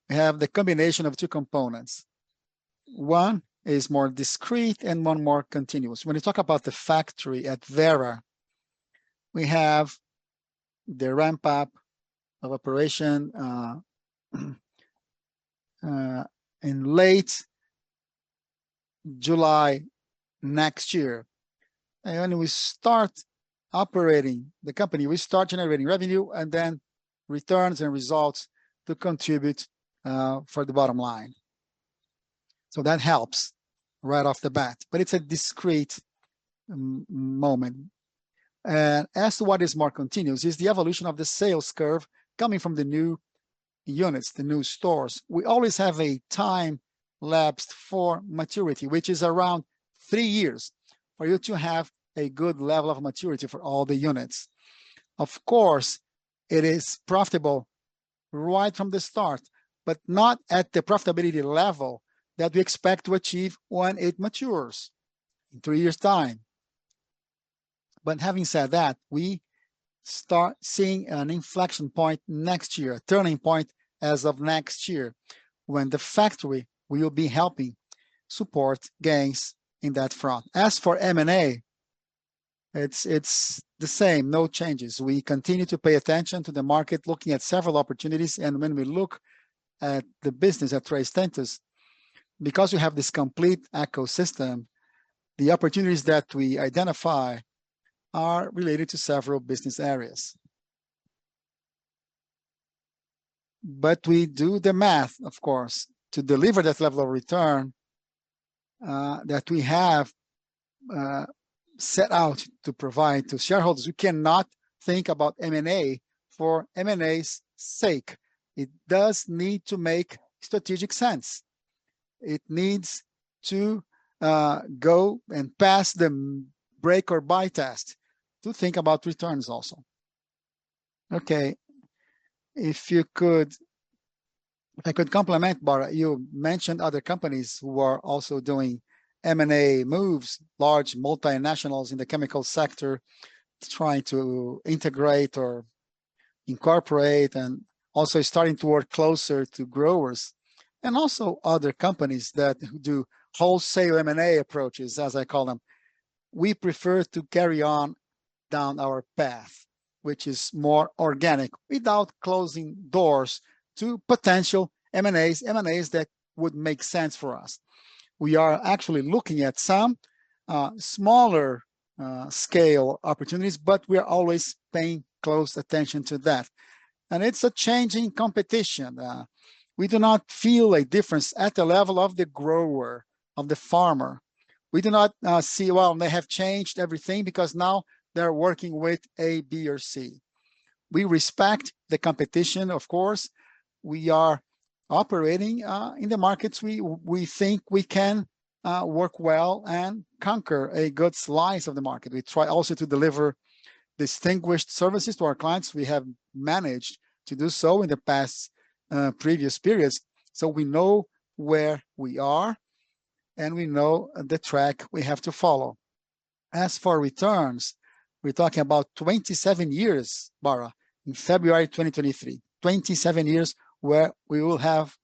Speaker 3: we have the combination of two components. One is more discrete and one more continuous. When we talk about the factory at Vera, we have the ramp-up of operation in late July next year. When we start operating the company, we start generating revenue and then returns and results to contribute for the bottom line. That helps right off the bat. It's a discrete moment. As to what is more continuous is the evolution of the sales curve coming from the new units, the new stores. We always have a time lapse for maturity, which is around three years for you to have a good level of maturity for all the units. Of course, it is profitable right from the start, but not at the profitability level that we expect to achieve when it matures in three years' time. Having said that, we start seeing an inflection point next year, a turning point as of next year, when the factory will be helping support gains in that front. As for M&A, it's the same. No changes. We continue to pay attention to the market, looking at several opportunities. When we look at the business at Três Tentos, because we have this complete ecosystem, the opportunities that we identify are related to several business areas. We do the math, of course, to deliver that level of return that we have set out to provide to shareholders. We cannot think about M&A for M&A's sake. It does need to make strategic sense. It needs to go and pass the make or buy test to think about returns also. Okay. If you could. I could complement, Barra, you mentioned other companies who are also doing M&A moves, large multinationals in the chemical sector trying to integrate or incorporate, and also starting to work closer to growers, and also other companies that do wholesale M&A approaches, as I call them. We prefer to carry on down our path, which is more organic, without closing doors to potential M&As, M&As that would make sense for us. We are actually looking at some smaller scale opportunities, but we are always paying close attention to that. It's a changing competition. We do not feel a difference at the level of the grower, of the farmer. We do not see, well, they have changed everything because now they're working with A, B, or C. We respect the competition, of course. We are operating in the markets. We think we can work well and conquer a good slice of the market. We try also to deliver distinguished services to our clients. We have managed to do so in the past, previous periods, so we know where we are, and we know the track we have to follow. As for returns, we're talking about 27 years, Barra, in February 2023. 27 years where we will have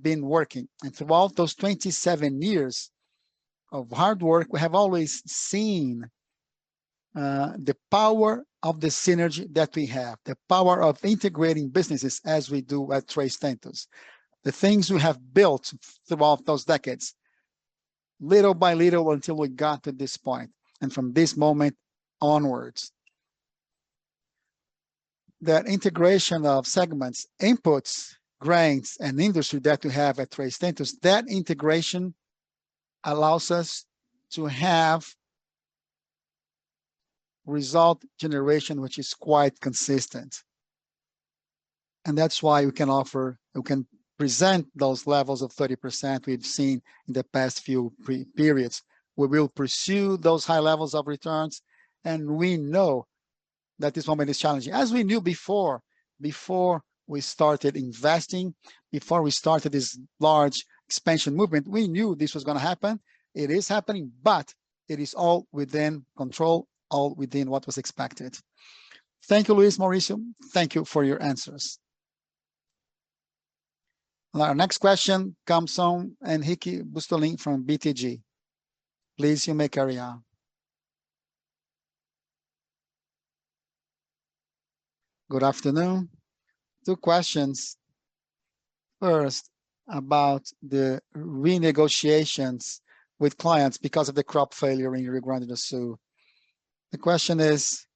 Speaker 3: been working. Throughout those 27 years of hard work, we have always seen the power of the synergy that we have, the power of integrating businesses as we do at Três Tentos. The things we have built throughout those decades, little by little until we got to this point and from this moment onwards. That integration of segments, inputs, grains, and industry that we have at Três Tentos, that integration allows us to have result generation which is quite consistent, and that's why we can offer we can present those levels of 30% we've seen in the past few previous periods. We will pursue those high levels of returns, and we know that this moment is challenging. As we knew before we started investing, before we started this large expansion movement, we knew this was gonna happen. It is happening, but it is all within control, all within what was expected.
Speaker 6: Thank you, Luiz, Mauricio. Thank you for your answers.
Speaker 1: Our next question comes from Henrique Brustolin from BTG Pactual. Please, you may carry on.
Speaker 7: Good afternoon. Two questions. First, about the renegotiations with clients because of the crop failure in Rio Grande do Sul. The question is: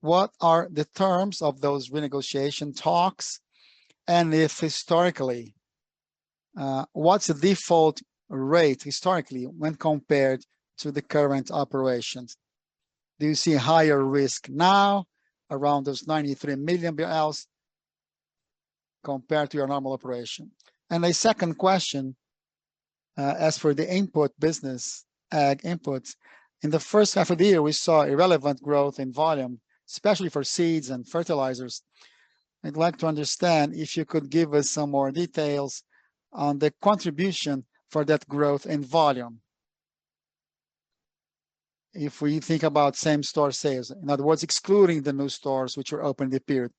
Speaker 7: what are the terms of those renegotiation talks? If historically, what's the default rate historically when compared to the current operations? Do you see higher risk now around those 93 million compared to your normal operation? A second question, as for the input business, ag inputs. In the first half of the year, we saw relevant growth in volume, especially for seeds and fertilizers. I'd like to understand if you could give us some more details on the contribution for that growth in volume. If we think about same-store sales, in other words, excluding the new stores which were opened in the period,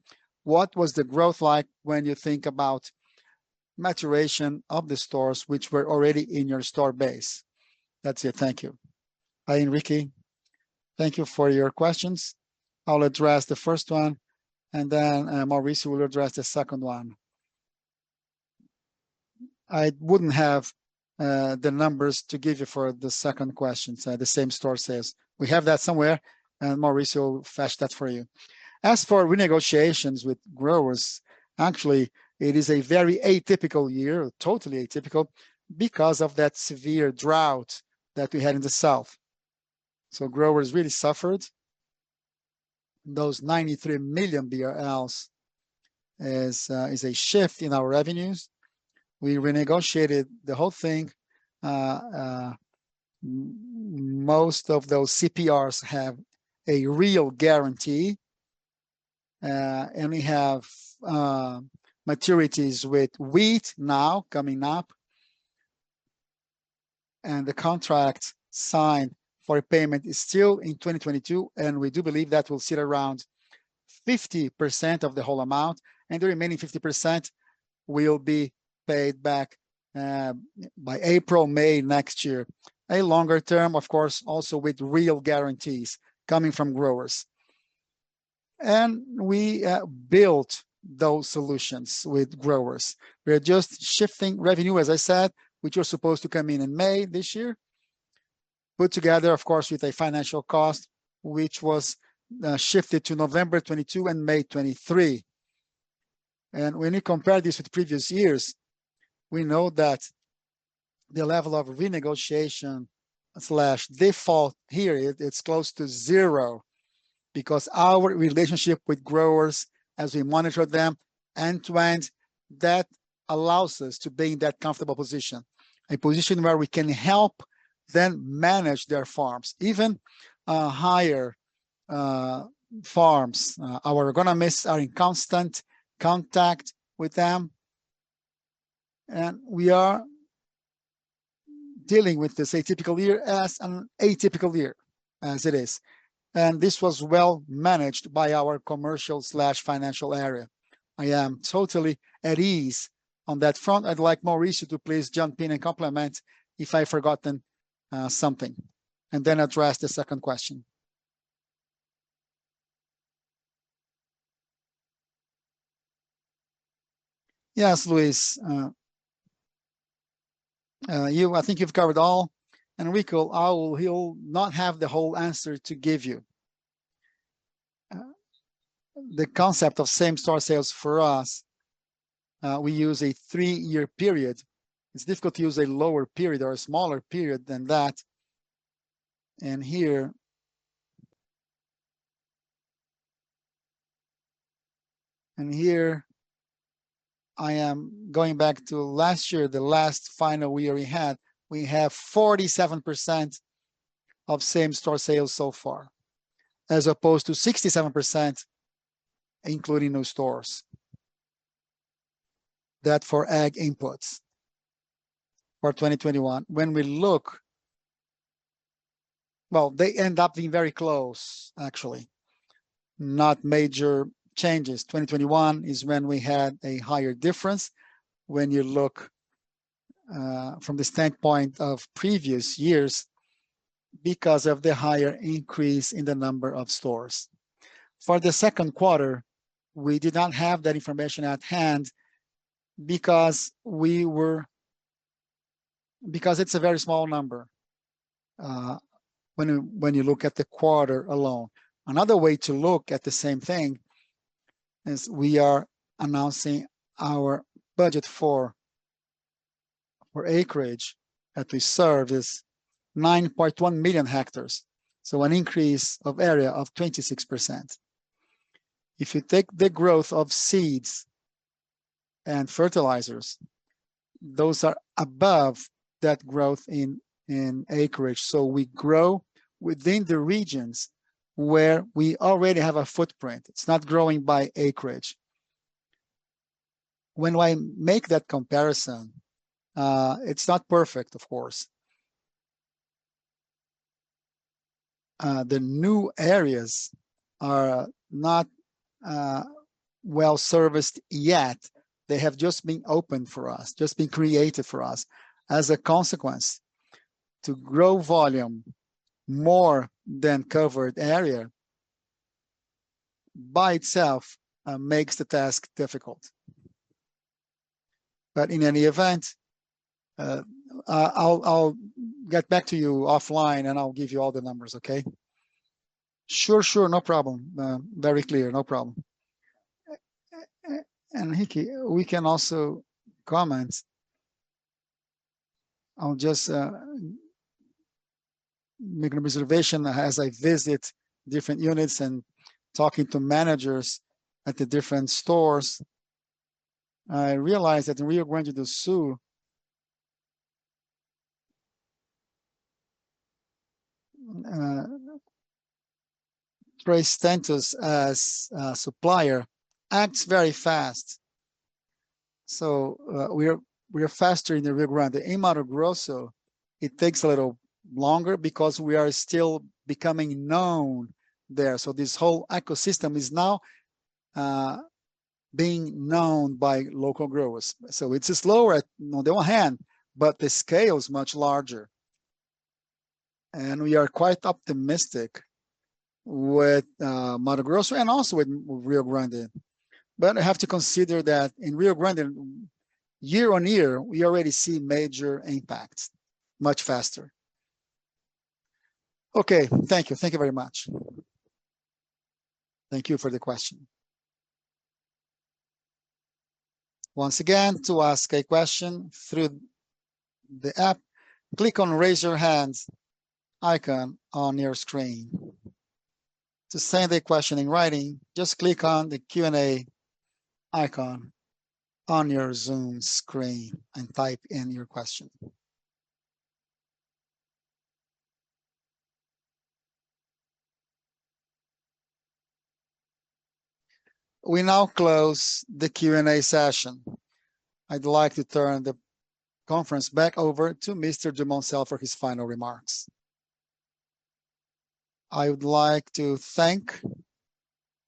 Speaker 7: what was the growth like when you think about maturation of the stores which were already in your store base? That's it. Thank you.
Speaker 2: Hi, Henrique. Thank you for your questions. I'll address the first one, and then Mauricio will address the second one. I wouldn't have the numbers to give you for the second question, so the same-store sales. We have that somewhere, and Mauricio will fetch that for you. As for renegotiations with growers, actually, it is a very atypical year, totally atypical, because of that severe drought that we had in the south. Growers really suffered. Those 93 million BRL is a shift in our revenues. We renegotiated the whole thing. Most of those CPRs have a real guarantee, and we have maturities with wheat now coming up, and the contract signed for a payment is still in 2022, and we do believe that will sit around 50% of the whole amount, and the remaining 50% will be paid back by April, May next year. A longer term, of course, also with real guarantees coming from growers. We built those solutions with growers. We're just shifting revenue, as I said, which was supposed to come in in May this year, put together, of course, with a financial cost which was shifted to November 2022 and May 2023. When you compare this with previous years, we know that the level of renegotiation/default here it's close to zero because our relationship with growers as we monitor them end to end, that allows us to be in that comfortable position, a position where we can help them manage their farms, even higher farms. Our economists are in constant contact with them, and we are dealing with this atypical year as an atypical year as it is. This was well managed by our commercial/financial area. I am totally at ease on that front. I'd like Mauricio to please jump in and complement if I've forgotten something, and then address the second question.
Speaker 3: Yes, Luiz, I think you've covered all. Henrique, he'll not have the whole answer to give you. The concept of same-store sales for us, we use a three-year period. It's difficult to use a lower period or a smaller period than that. Here I am going back to last year, the last final year we had. We have 47% of same-store sales so far, as opposed to 67%, including new stores. That for ag inputs for 2021. When we look, well, they end up being very close actually, not major changes. 2021 is when we had a higher difference when you look from the standpoint of previous years because of the higher increase in the number of stores. For the second quarter, we did not have that information at hand because it's a very small number when you look at the quarter alone. Another way to look at the same thing is we are announcing our budget for acreage that we serve is 9.1 million hectares, so an increase of area of 26%. If you take the growth of seeds and fertilizers, those are above that growth in acreage. We grow within the regions where we already have a footprint. It's not growing by acreage. When I make that comparison, it's not perfect of course. The new areas are not well-serviced yet. They have just been opened for us, just been created for us. As a consequence, to grow volume more than covered area by itself makes the task difficult. In any event, I'll get back to you offline, and I'll give you all the numbers, okay? Sure. Sure. No problem. Very clear. No problem. Henrique, we can also comment. I'll just make an observation that as I visit different units and talking to managers at the different stores, I realize that in Rio Grande do Sul, Três Tentos as a supplier acts very fast. We're faster in the Rio Grande. In Mato Grosso, it takes a little longer because we are still becoming known there. This whole ecosystem is now being known by local growers. It is slower at, on the one hand, but the scale is much larger, and we are quite optimistic with Mato Grosso and also with Rio Grande. I have to consider that in Rio Grande, year-on-year, we already see major impacts much faster.
Speaker 7: Okay. Thank you. Thank you very much.
Speaker 1: Thank you for the question. Once again, to ask a question through the app, click on Raise Your Hand icon on your screen. To send a question in writing, just click on the Q&A icon on your Zoom screen and type in your question. We now close the Q&A session. I'd like to turn the conference back over to Mr. Luiz Osório Dumoncel for his final remarks.
Speaker 2: I would like to thank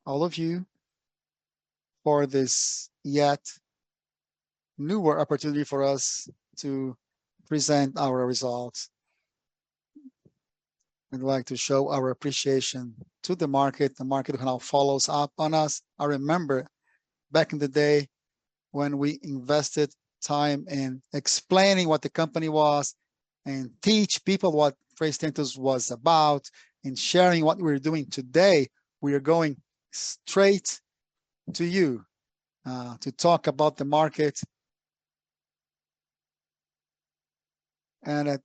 Speaker 2: all of you for this yet newer opportunity for us to present our results. We'd like to show our appreciation to the market, the market who now follows up on us. I remember back in the day when we invested time in explaining what the company was and teach people what Três Tentos was about and sharing what we're doing today. We are going straight to you to talk about the market. At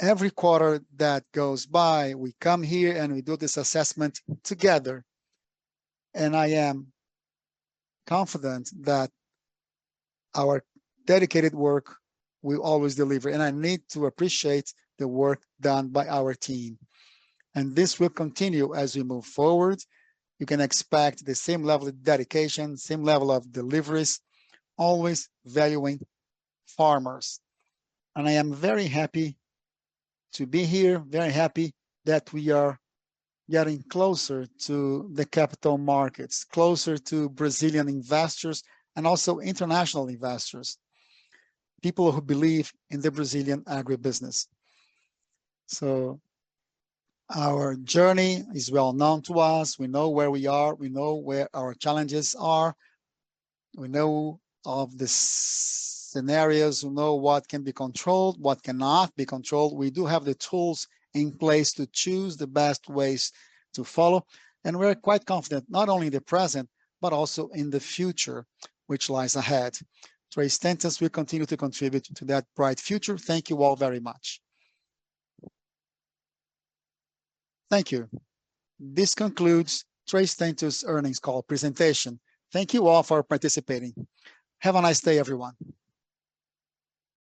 Speaker 2: every quarter that goes by, we come here, and we do this assessment together, and I am confident that our dedicated work will always deliver, and I need to appreciate the work done by our team. This will continue as we move forward. You can expect the same level of dedication, same level of deliveries, always valuing farmers. I am very happy to be here, very happy that we are getting closer to the capital markets, closer to Brazilian investors and also international investors, people who believe in the Brazilian agribusiness. Our journey is well known to us. We know where we are. We know where our challenges are. We know of the scenarios. We know what can be controlled, what cannot be controlled. We do have the tools in place to choose the best ways to follow, and we're quite confident not only in the present, but also in the future which lies ahead. Três Tentos will continue to contribute to that bright future. Thank you all very much.
Speaker 1: Thank you. This concludes Três Tentos' earnings call presentation. Thank you all for participating. Have a nice day, everyone.